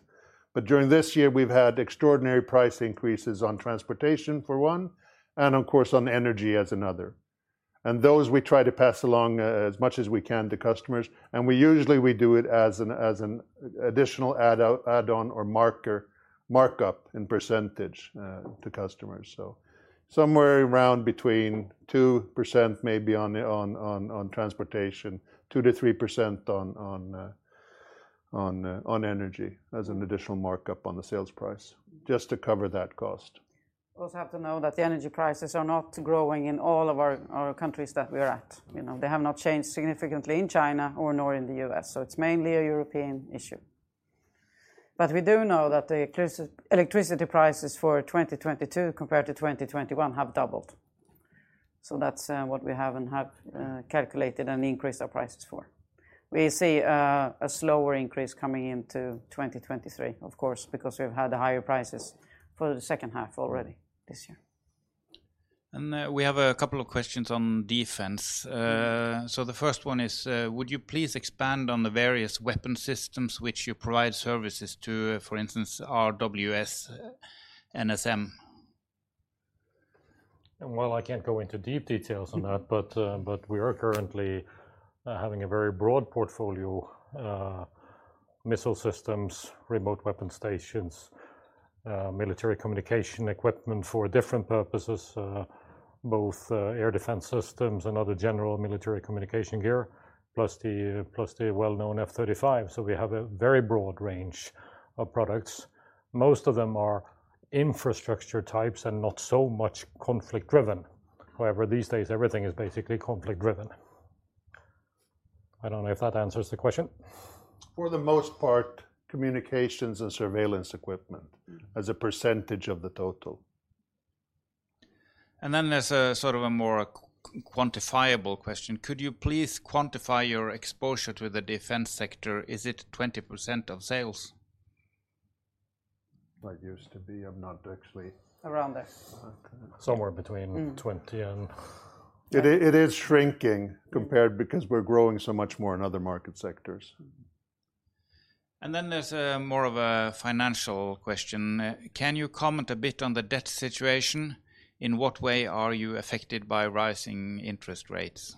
During this year, we've had extraordinary price increases on transportation for one, and of course on energy as another. Those we try to pass along as much as we can to customers, and we usually do it as an additional addon or markup in percentage to customers. Somewhere around between 2% maybe on transportation, 2%-3% on energy as an additional markup on the sales price, just to cover that cost. Also have to know that the energy prices are not growing in all of our countries that we are at. You know, they have not changed significantly in China or nor in the U.S. It's mainly a European issue. We do know that the electricity prices for 2022 compared to 2021 have doubled. That's what we have and have calculated and increased our prices for. We see a slower increase coming into 2023, of course, because we've had the higher prices for the second half already this year. We have a couple of questions on defense. The first one is, would you please expand on the various weapon systems which you provide services to, for instance, RWS, NSM? I can't go into deep details on that, but we are currently having a very broad portfolio, missile systems, remote weapon stations, military communication equipment for different purposes, both, air defense systems and other general military communication gear, plus the well-known F-35. We have a very broad range of products. Most of them are infrastructure types and not so much conflict-driven. These days, everything is basically conflict-driven. I don't know if that answers the question. For the most part, communications and surveillance equipment as a percentage of the total. There's a sort of a more quantifiable question. Could you please quantify your exposure to the defense sector? Is it 20% of sales? That used to be. I'm not actually- Around there. Somewhere between 20 and... It is shrinking compared, because we're growing so much more in other market sectors. There's a more of a financial question. Can you comment a bit on the debt situation? In what way are you affected by rising interest rates?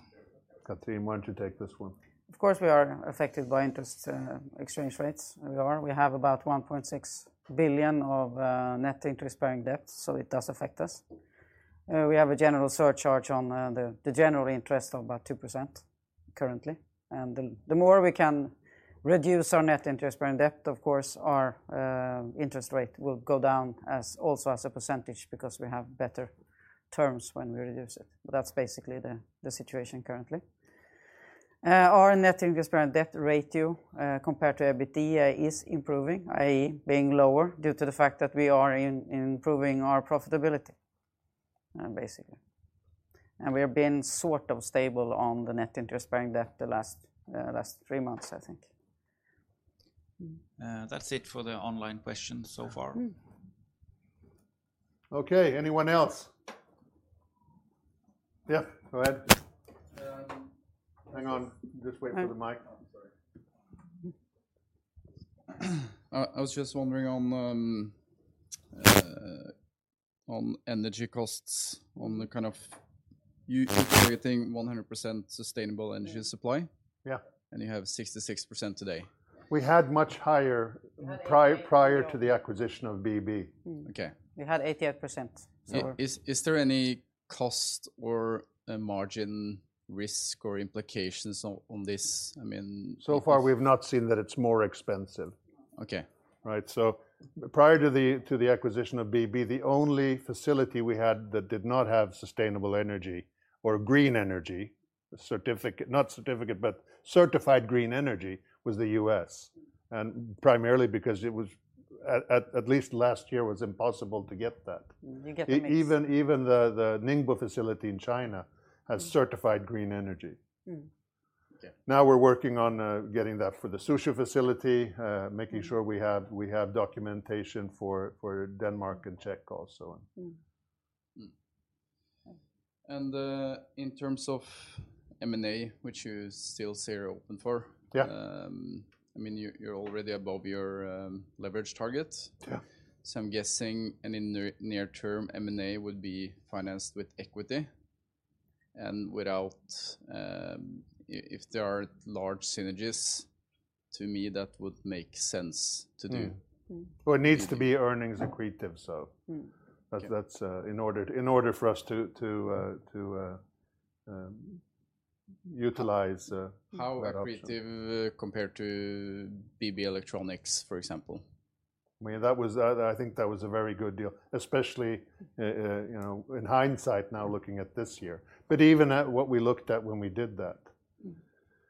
Cathrine, why don't you take this one? Of course, we are affected by interest, exchange rates. We are. We have about 1.6 billion of net interest-bearing debt, so it does affect us. We have a general surcharge on the general interest of about 2% currently, and the more we can reduce our net interest-bearing debt, of course, our interest rate will go down as also as a percentage because we have better terms when we reduce it. That's basically the situation currently. Our net interest-bearing debt ratio, compared to EBITDA is improving, i.e., being lower due to the fact that we are improving our profitability, basically. We have been sort of stable on the net interest-bearing debt the last 3 months, I think. That's it for the online questions so far. Okay. Anyone else? Yeah, go ahead. Yeah. Hang on. Just wait for the mic. Oh, I'm sorry. I was just wondering on energy costs, on the kind of you keeping everything 100% sustainable energy supply? Yeah. You have 66% today. We had much higher prior to the acquisition of BB. Okay. We had 88%. Is there any cost or a margin risk or implications on this? Far we've not seen that it's more expensive. Okay. Prior to the, to the acquisition of BB, the only facility we had that did not have sustainable energy or green energy certificate, not certificate, but certified green energy was the U.S., and primarily because it was at least last year was impossible to get that. You get a mix. Even the Ningbo facility in China has certified green energy. Mm-hmm. Yeah. Now we're working on getting that for the Susch facility, making sure we have documentation for Denmark and Czech also. Mm-hmm. In terms of M&A, which you still say you're open for. Yeah I mean, you're already above your leverage target. Yeah. I'm guessing any near term M&A would be financed with equity and without, if there are large synergies, to me, that would make sense to do. Mm-hmm. Mm-hmm. It needs to be earnings accretive. Mm-hmm. That's in order for us to utilize that option. How accretive compared to BB Electronics, for example? I mean, that was, I think that was a very good deal, especially, you know, in hindsight now looking at this year, but even at what we looked at when we did that.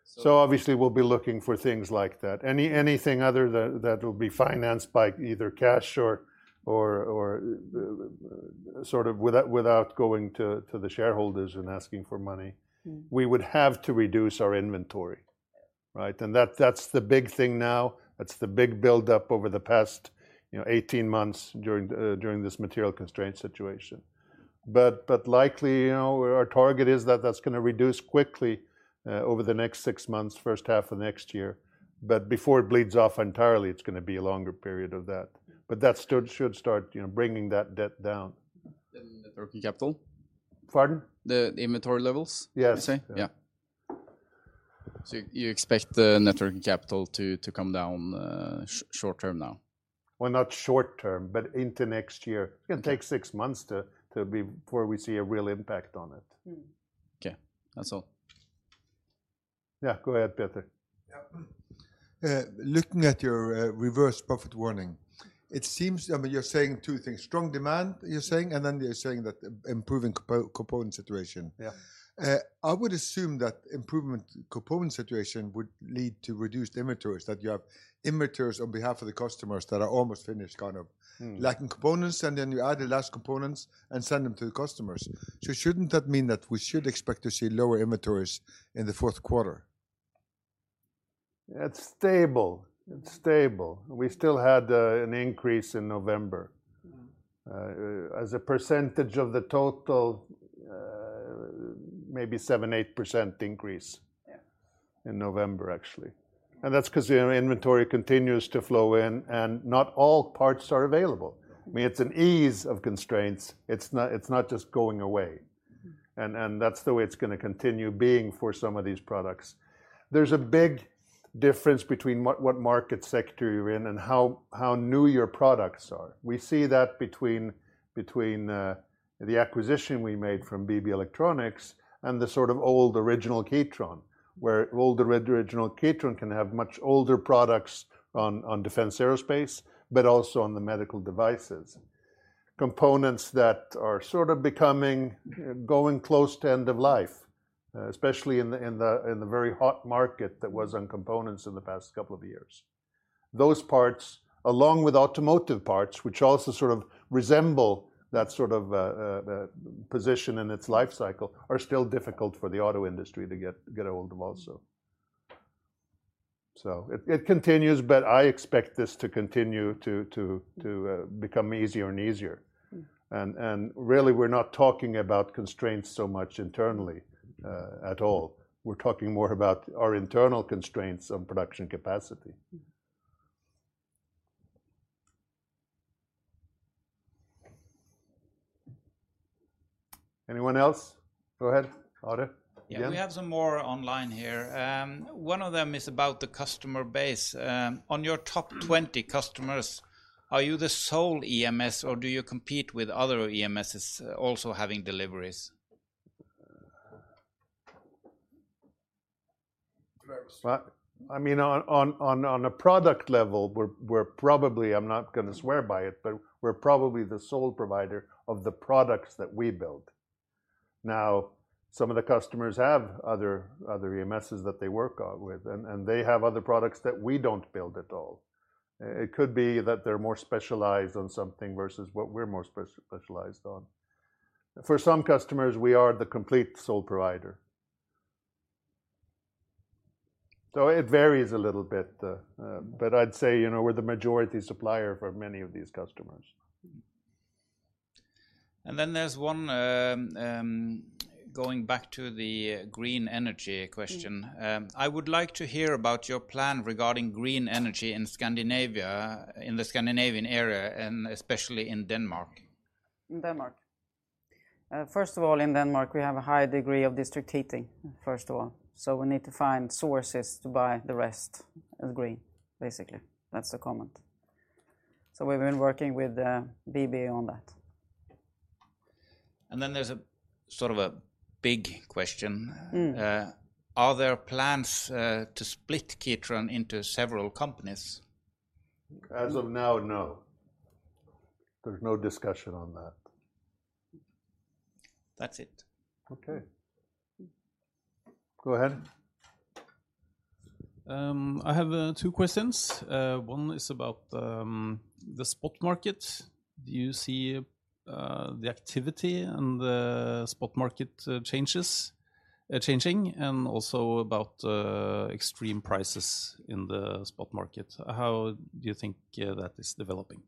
So- Obviously we'll be looking for things like that. Anything other that will be financed by either cash or, sort of without going to the shareholders and asking for money. Mm-hmm... we would have to reduce our inventory, right? That's the big thing now. That's the big buildup over the past, you know, 18 months during this material constraint situation. Likely, you know, our target is that that's gonna reduce quickly, over the next six months, first half of next year. Before it bleeds off entirely, it's gonna be a longer period of that. That should start, you know, bringing that debt down. The working capital? Pardon? The inventory levels- Yes... you say? Yeah. You expect the net working capital to come down, short-term now? Well, not short term, but into next year. Okay. It's gonna take six months to before we see a real impact on it. Mm-hmm. Okay. That's all. Yeah. Go ahead, Petter. Looking at your reverse profit warning, it seems, I mean, you're saying two things, strong demand, and then you're saying that improving component situation. Yeah. I would assume that improvement component situation would lead to reduced inventories, that you have inventories on behalf of the customers that are almost finished kind of. Mm-hmm. Lacking components, and then you add the last components and send them to the customers. Shouldn't that mean that we should expect to see lower inventories in the fourth quarter? It's stable. It's stable. We still had an increase in November. Mm-hmm. As a percentage of the total, maybe 7%, 8% increase-. Yeah in November, actually. That's 'cause the inventory continues to flow in, and not all parts are available. I mean, it's an ease of constraints. It's not just going away. Mm-hmm. That's the way it's gonna continue being for some of these products. There's a big difference between what market sector you're in and how new your products are. We see that between, the acquisition we made from BB Electronics and the sort of old original Kitron, where old original Kitron can have much older products on defense aerospace but also on the medical devices. Components that are sort of becoming, going close to end of life, especially in the, in the, in the very hot market that was on components in the past couple of years. Those parts, along with automotive parts, which also sort of resemble that sort of, position in its life cycle, are still difficult for the auto industry to get a hold of also. It continues, but I expect this to continue to become easier and easier. Mm-hmm. Really, we're not talking about constraints so much internally, at all. We're talking more about our internal constraints on production capacity. Anyone else? Go ahead, Otto, again. Yeah, we have some more online here. One of them is about the customer base. On your top 20 customers, are you the sole EMS, or do you compete with other EMSs also having deliveries? Well, I mean, on a product level, we're probably, I'm not gonna swear by it, but we're probably the sole provider of the products that we build. Some of the customers have other EMSs that they work on with, and they have other products that we don't build at all. It could be that they're more specialized on something versus what we're more specialized on. For some customers, we are the complete sole provider. It varies a little bit, but I'd say, you know, we're the majority supplier for many of these customers. There's one, going back to the green energy question. I would like to hear about your plan regarding green energy in Scandinavia, in the Scandinavian area, and especially in Denmark. In Denmark. first of all, in Denmark, we have a high degree of district heating, first of all. We need to find sources to buy the rest as green, basically. That's the comment. We've been working with BB on that. Then there's sort of a big question. Mm. Are there plans to split Kitron into several companies? As of now, no. There's no discussion on that. That's it. Okay. Go ahead. I have two questions. One is about the spot market. Do you see the activity and the spot market changes changing? Also about extreme prices in the spot market, how do you think that is developing?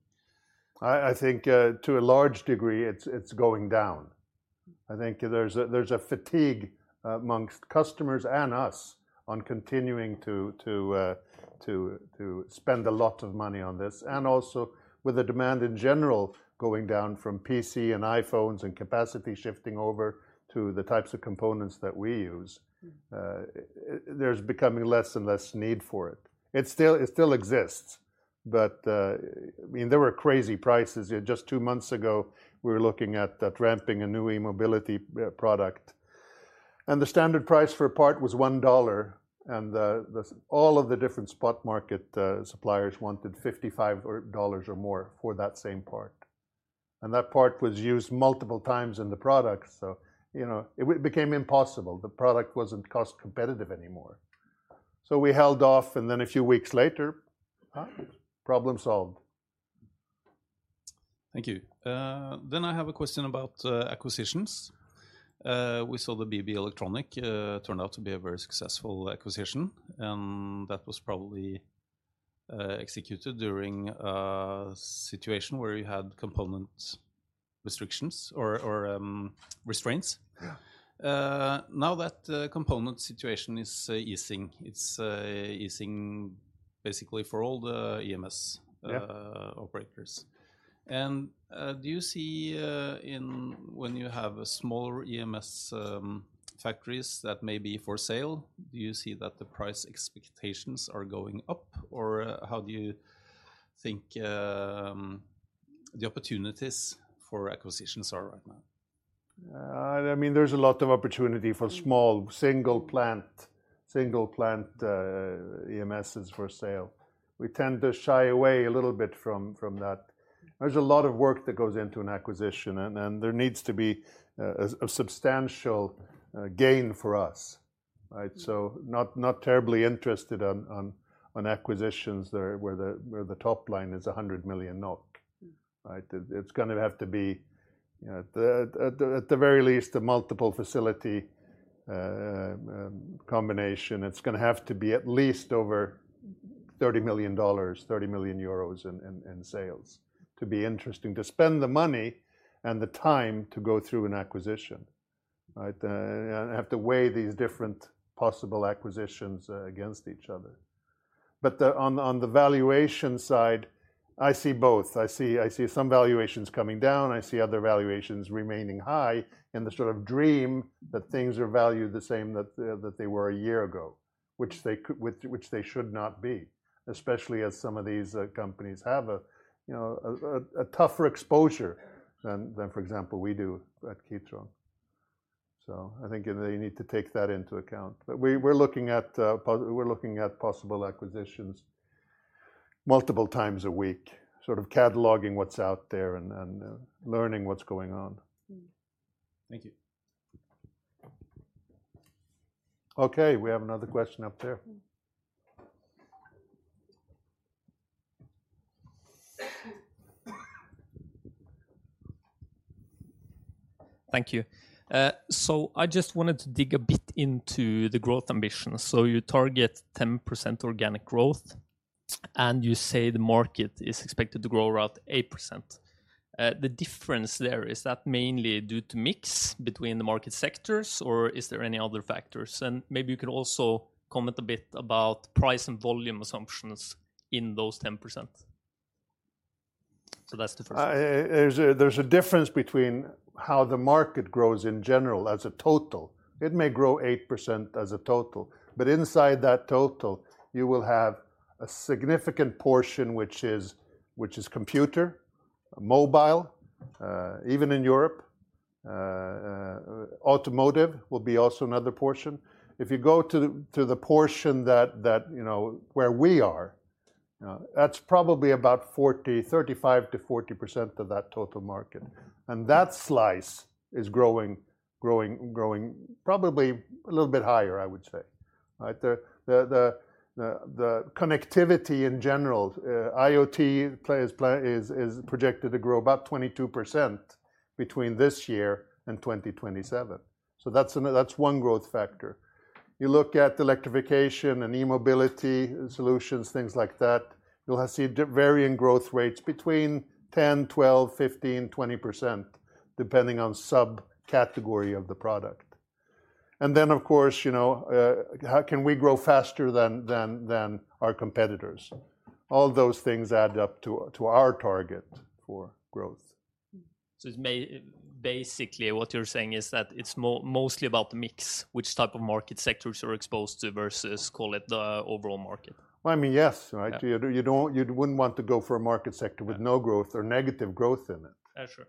I think, to a large degree, it's going down. I think there's a fatigue amongst customers and us on continuing to spend a lot of money on this, and also with the demand in general going down from PC and iPhones and capacity shifting over to the types of components that we use. Mm. There's becoming less and less need for it. It still, it still exists, but, I mean, there were crazy prices. Just two months ago, we were looking at ramping a new e-mobility product, the standard price for a part was $1, and all of the different spot market suppliers wanted $55 or more for that same part. That part was used multiple times in the product, so, you know, it became impossible. The product wasn't cost competitive anymore. We held off, and then a few weeks later, problem solved. Thank you. I have a question about acquisitions. We saw the BB Electronics turned out to be a very successful acquisition, that was probably executed during a situation where you had component restrictions or restraints. Yeah. Now that the component situation is easing, it's easing basically for all the EMS- Yeah operators. Do you see, in when you have a smaller EMS, factories that may be for sale, do you see that the price expectations are going up, or how do you think, the opportunities for acquisitions are right now? I mean, there's a lot of opportunity for small single plant, EMSs for sale. We tend to shy away a little bit from that. There's a lot of work that goes into an acquisition, and there needs to be a substantial gain for us, right? Not terribly interested on acquisitions there where the top line is 100 million NOK, right? It's gonna have to be, you know, at the very least, a multiple facility combination. It's gonna have to be at least over $30 million, 30 million euros in sales to be interesting, to spend the money and the time to go through an acquisition, right? Have to weigh these different possible acquisitions against each other. The, on the, on the valuation side, I see both. I see some valuations coming down. I see other valuations remaining high, and the sort of dream that things are valued the same that they were a year ago, which they should not be, especially as some of these companies have a, you know, a tougher exposure than, for example, we do at Kitron. I think you need to take that into account. We're looking at possible acquisitions multiple times a week, sort of cataloging what's out there and learning what's going on. Thank you. Okay, we have another question up there. Thank you. I just wanted to dig a bit into the growth ambitions. You target 10% organic growth. You say the market is expected to grow around 8%. The difference there, is that mainly due to mix between the market sectors, or is there any other factors? Maybe you could also comment a bit about price and volume assumptions in those 10%. That's the first one. There's a difference between how the market grows in general as a total. It may grow 8% as a total, but inside that total, you will have a significant portion which is computer, mobile, even in Europe. Automotive will be also another portion. If you go to the portion that, you know, where we are, that's probably about 40, 35%-40% of that total market. And that slice is growing probably a little bit higher, I would say. Right? The connectivity in general, IoT play is projected to grow about 22% between this year and 2027. That's one growth factor. You look at electrification and e-mobility solutions, things like that, you'll see varying growth rates between 10%, 12%, 15%, 20%, depending on subcategory of the product. Of course, you know, how can we grow faster than our competitors? All those things add up to our target for growth. Basically, what you're saying is that it's mostly about the mix, which type of market sectors are exposed to versus, call it, the overall market. Well, I mean, yes, right? Yeah. You don't, you wouldn't want to go for a market sector with no growth or negative growth in it. Yeah, sure.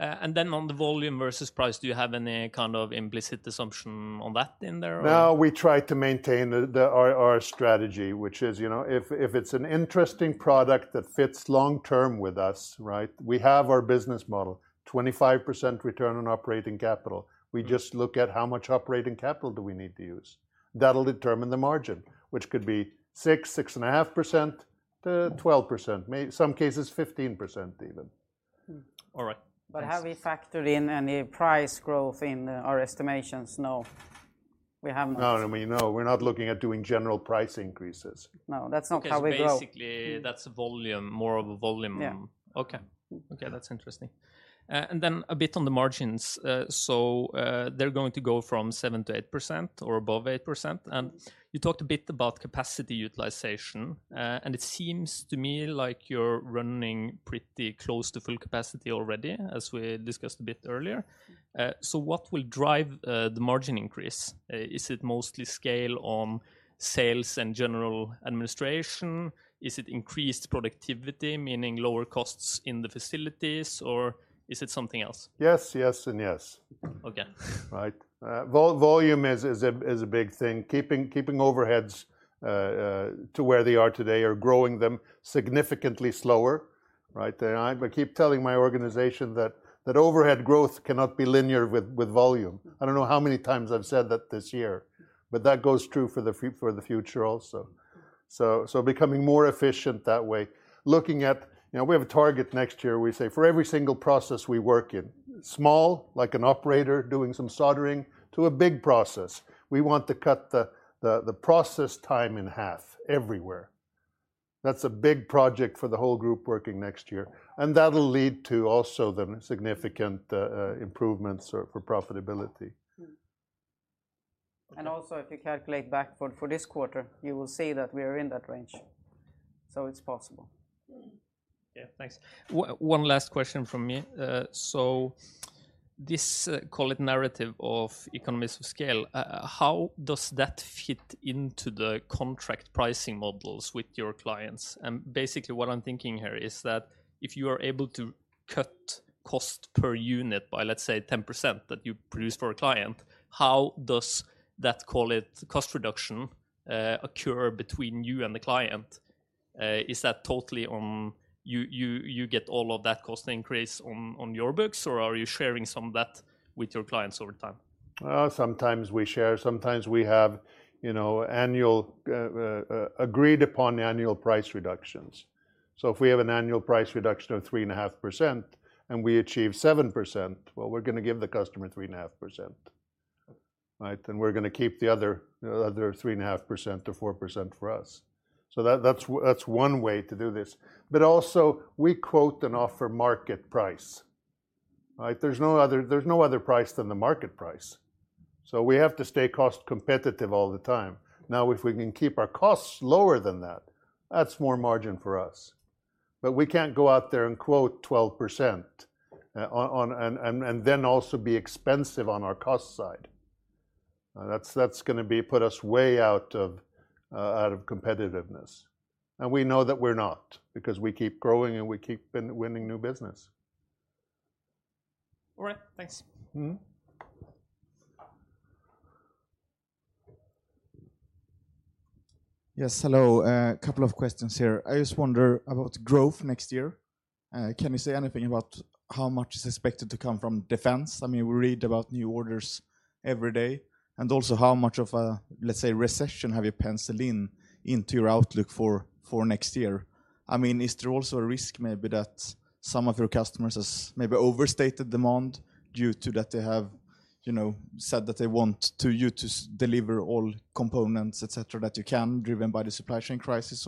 On the volume versus price, do you have any kind of implicit assumption on that in there or? No, we try to maintain the our strategy, which is, you know, if it's an interesting product that fits long-term with us, right? We have our business model, 25% return on operating capital. We just look at how much operating capital do we need to use. That'll determine the margin, which could be 6%, 6.5%-12%, some cases, 15% even. All right. Thanks. Have we factored in any price growth in our estimations? No. We have not. No. I mean, no. We're not looking at doing general price increases. No, that's not how we grow. Okay. Mm. That's volume, more of a volume. Yeah. Okay. Okay, that's interesting. A bit on the margins. They're going to go from 7%-8% or above 8%. Mm-hmm. You talked a bit about capacity utilization. It seems to me like you're running pretty close to full capacity already, as we discussed a bit earlier. What will drive the margin increase? Is it mostly scale on sales and general administration? Is it increased productivity, meaning lower costs in the facilities, or is it something else? Yes, yes, and yes. Okay. Right? Volume is a big thing. Keeping overheads to where they are today or growing them significantly slower, right? I keep telling my organization that overhead growth cannot be linear with volume. I don't know how many times I've said that this year, but that goes true for the future also. Becoming more efficient that way. Looking at, you know, we have a target next year. We say, for every single process we work in, small, like an operator doing some soldering, to a big process, we want to cut the process time in half everywhere. That's a big project for the whole group working next year, and that'll lead to also the significant improvements for profitability. Mm. Okay. Also, if you calculate backward for this quarter, you will see that we are in that range. It's possible. Yeah, thanks. One last question from me. This, call it, narrative of economies of scale, how does that fit into the contract pricing models with your clients? Basically, what I'm thinking here is that if you are able to cut cost per unit by, let's say, 10% that you produce for a client, how does that, call it, cost reduction, occur between you and the client? Is that totally on you get all of that cost increase on your books, or are you sharing some of that with your clients over time? Sometimes we share. Sometimes we have, you know, agreed-upon annual price reductions. If we have an annual price reduction of 3.5% and we achieve 7%, well, we're gonna give the customer 3.5%. Right? We're gonna keep the other 3.5%-4% for us. That's one way to do this. Also, we quote and offer market price. Right? There's no other price than the market price. We have to stay cost competitive all the time. If we can keep our costs lower than that's more margin for us. We can't go out there and quote 12% and then also be expensive on our cost side. That's gonna be put us way out of out of competitiveness. We know that we're not because we keep growing and we keep winning new business. All right, thanks. Mm-hmm. Yes, hello. A couple of questions here. I just wonder about growth next year. Can you say anything about how much is expected to come from defense? I mean, we read about new orders every day. Also, how much of a, let's say, recession have you penciled in into your outlook for next year? I mean, is there also a risk maybe that some of your customers has maybe overstated demand due to that they have. You know, said that they want to you to deliver all components, et cetera, that you can, driven by the supply chain crisis?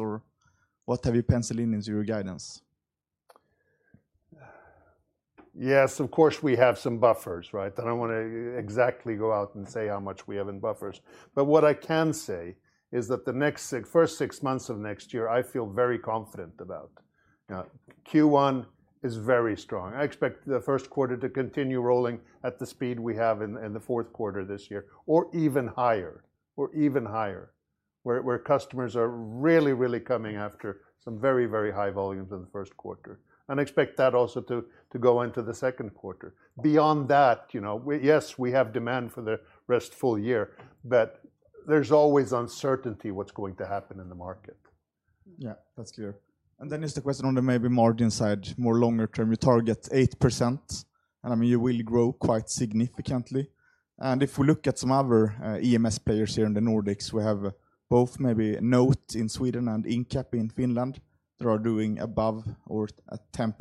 What have you penciled in into your guidance? Yes, of course we have some buffers, right? I don't wanna exactly go out and say how much we have in buffers. What I can say is that the first six months of next year, I feel very confident about. Now, Q1 is very strong. I expect the first quarter to continue rolling at the speed we have in the fourth quarter this year, or even higher, where customers are really coming after some very high volumes in the first quarter. Expect that also to go into the second quarter. Beyond that, you know, yes, we have demand for the rest full year, but there's always uncertainty what's going to happen in the market. Yeah, that's clear. Is the question on the maybe margin side, more longer term. You target 8%, you will grow quite significantly. If we look at some other, EMS players here in the Nordics, we have both maybe NOTE in Sweden and Incap in Finland that are doing above or at 10%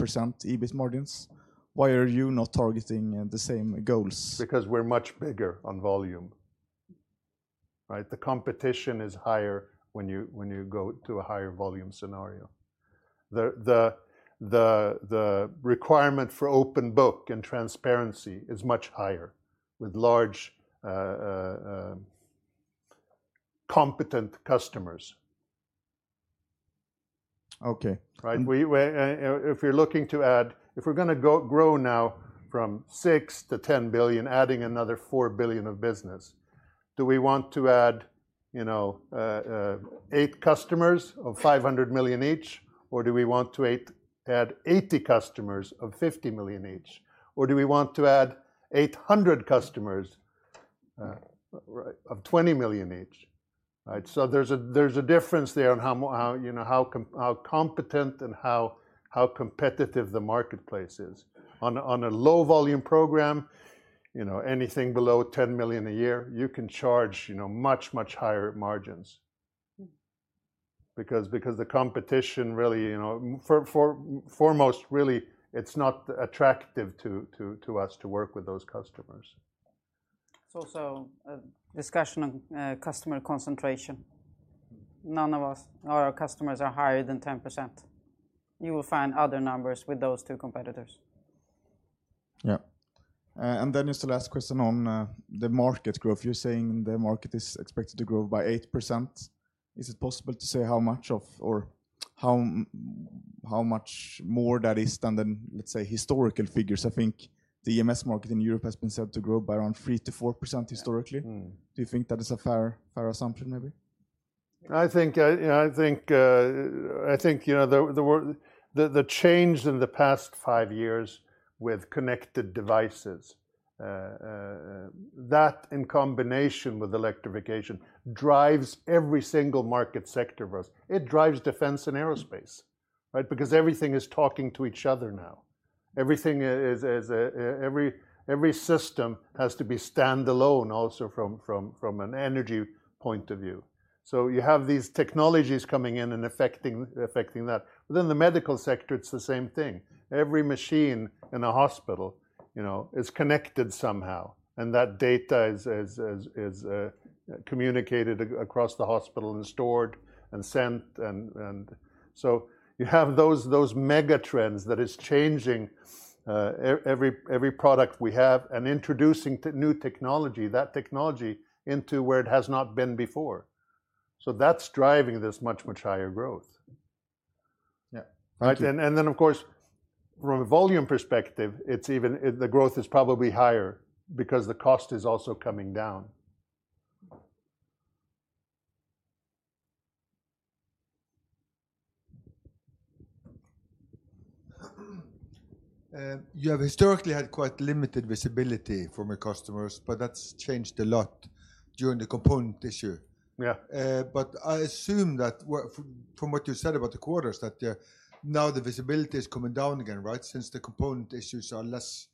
EBIT margins. Why are you not targeting the same goals? We're much bigger on volume, right? The competition is higher when you go to a higher volume scenario. The requirement for open book and transparency is much higher with large competent customers. Okay. Right? We If you're looking to If we're gonna grow now from 6 billion-10 billion, adding another 4 billion of business, do we want to add, you know, eight customers of 500 million each, or do we want to add 80 customers of 50 million each, or do we want to add 800 customers of 20 million each, right? There's a difference there on how, you know, how competent and how competitive the marketplace is. On a low volume program, you know, anything below 10 million a year, you can charge, you know, much, much higher margins because the competition really, you know, foremost, really, it's not attractive to us to work with those customers. It's also a discussion on customer concentration. None of us, or our customers are higher than 10%. You will find other numbers with those two competitors. Yeah. Then is the last question on the market growth. You're saying the market is expected to grow by 8%. Is it possible to say how much of or how much more that is than the, let's say, historical figures? I think the EMS market in Europe has been said to grow by around 3%-4% historically. Mm. Do you think that is a fair assumption, maybe? I think, you know, the change in the past five years with connected devices, that in combination with electrification, drives every single market sector growth. It drives defense and aerospace, right? Everything is talking to each other now. Everything is every system has to be standalone also from an energy point of view. You have these technologies coming in and affecting that. Within the medical sector, it's the same thing. Every machine in a hospital, you know, is connected somehow, and that data is communicated across the hospital and stored and sent and. You have those mega trends that is changing every product we have and introducing new technology, that technology into where it has not been before. That's driving this much higher growth. Yeah. Thank you. Then of course, from a volume perspective, it's even, the growth is probably higher because the cost is also coming down. You have historically had quite limited visibility from your customers, but that's changed a lot during the component issue. Yeah. I assume that from what you said about the quarters, that now the visibility is coming down again, right? Since the component issues are less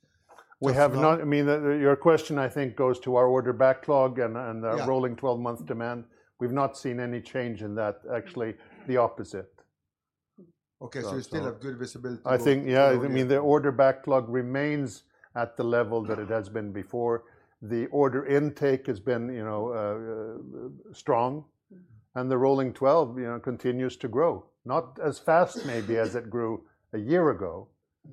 tough now. I mean, your question, I think, goes to our order backlog and. Yeah... our rolling 12-month demand. We've not seen any change in that, actually the opposite. Okay, you still have good visibility going forward, yeah? I think, yeah. I mean, the order backlog remains at the level that it has been before. The order intake has been, you know, strong, and the rolling 12, you know, continues to grow. Not as fast maybe as it grew a year ago,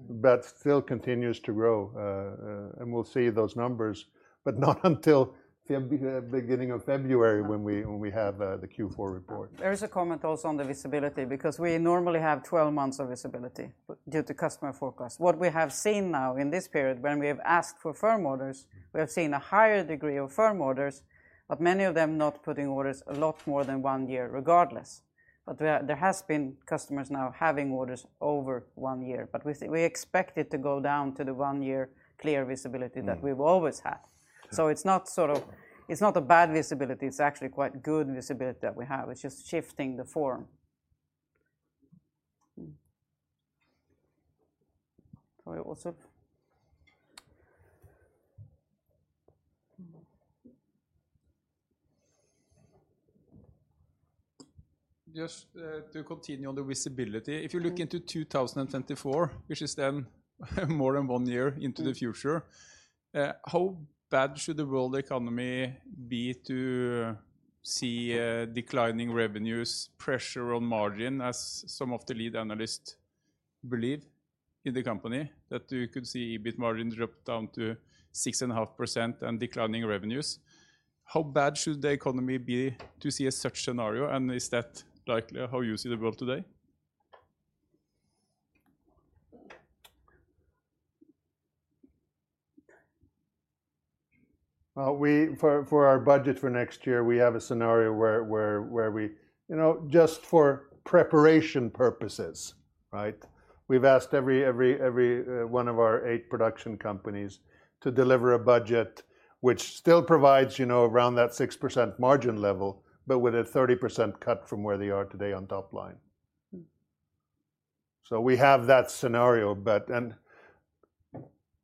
but still continues to grow. We'll see those numbers, but not until beginning of February when we have, the Q4 report. There is a comment also on the visibility, because we normally have 12 months of visibility due to customer forecast. What we have seen now in this period, when we have asked for firm orders, we have seen a higher degree of firm orders, but many of them not putting orders a lot more than one year regardless. There, there has been customers now having orders over one year. We expect it to go down to the one-year clear visibility that we've always had. It's not sort of, it's not a bad visibility, it's actually quite good visibility that we have. It's just shifting the form. Sorry, what's up? Just to continue on the visibility. If you look into 2024, which is then more than one year into the future, how bad should the world economy be to see declining revenues, pressure on margin, as some of the lead analysts believe in the company, that you could see EBIT margin drop down to 6.5% and declining revenues? How bad should the economy be to see such a scenario, and is that likely how you see the world today? We, for our budget for next year, we have a scenario where we, you know, just for preparation purposes, right? We've asked every one of our 8 production companies to deliver a budget which still provides, you know, around that 6% margin level, but with a 30% cut from where they are today on top line. We have that scenario, but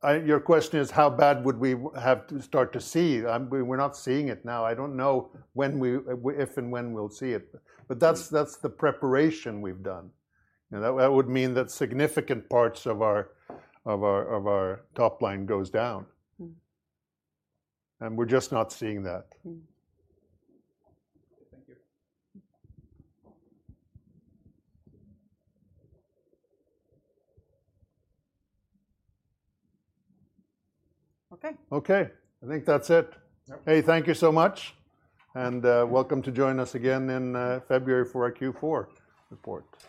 your question is how bad would we have to start to see? We're not seeing it now. I don't know when we, if and when we'll see it. That's the preparation we've done. You know, that would mean that significant parts of our top line goes down. Mm. We're just not seeing that. Mm. Thank you. Okay. Okay. I think that's it. Yep. Hey, thank you so much. Welcome to join us again in February for our Q4 report.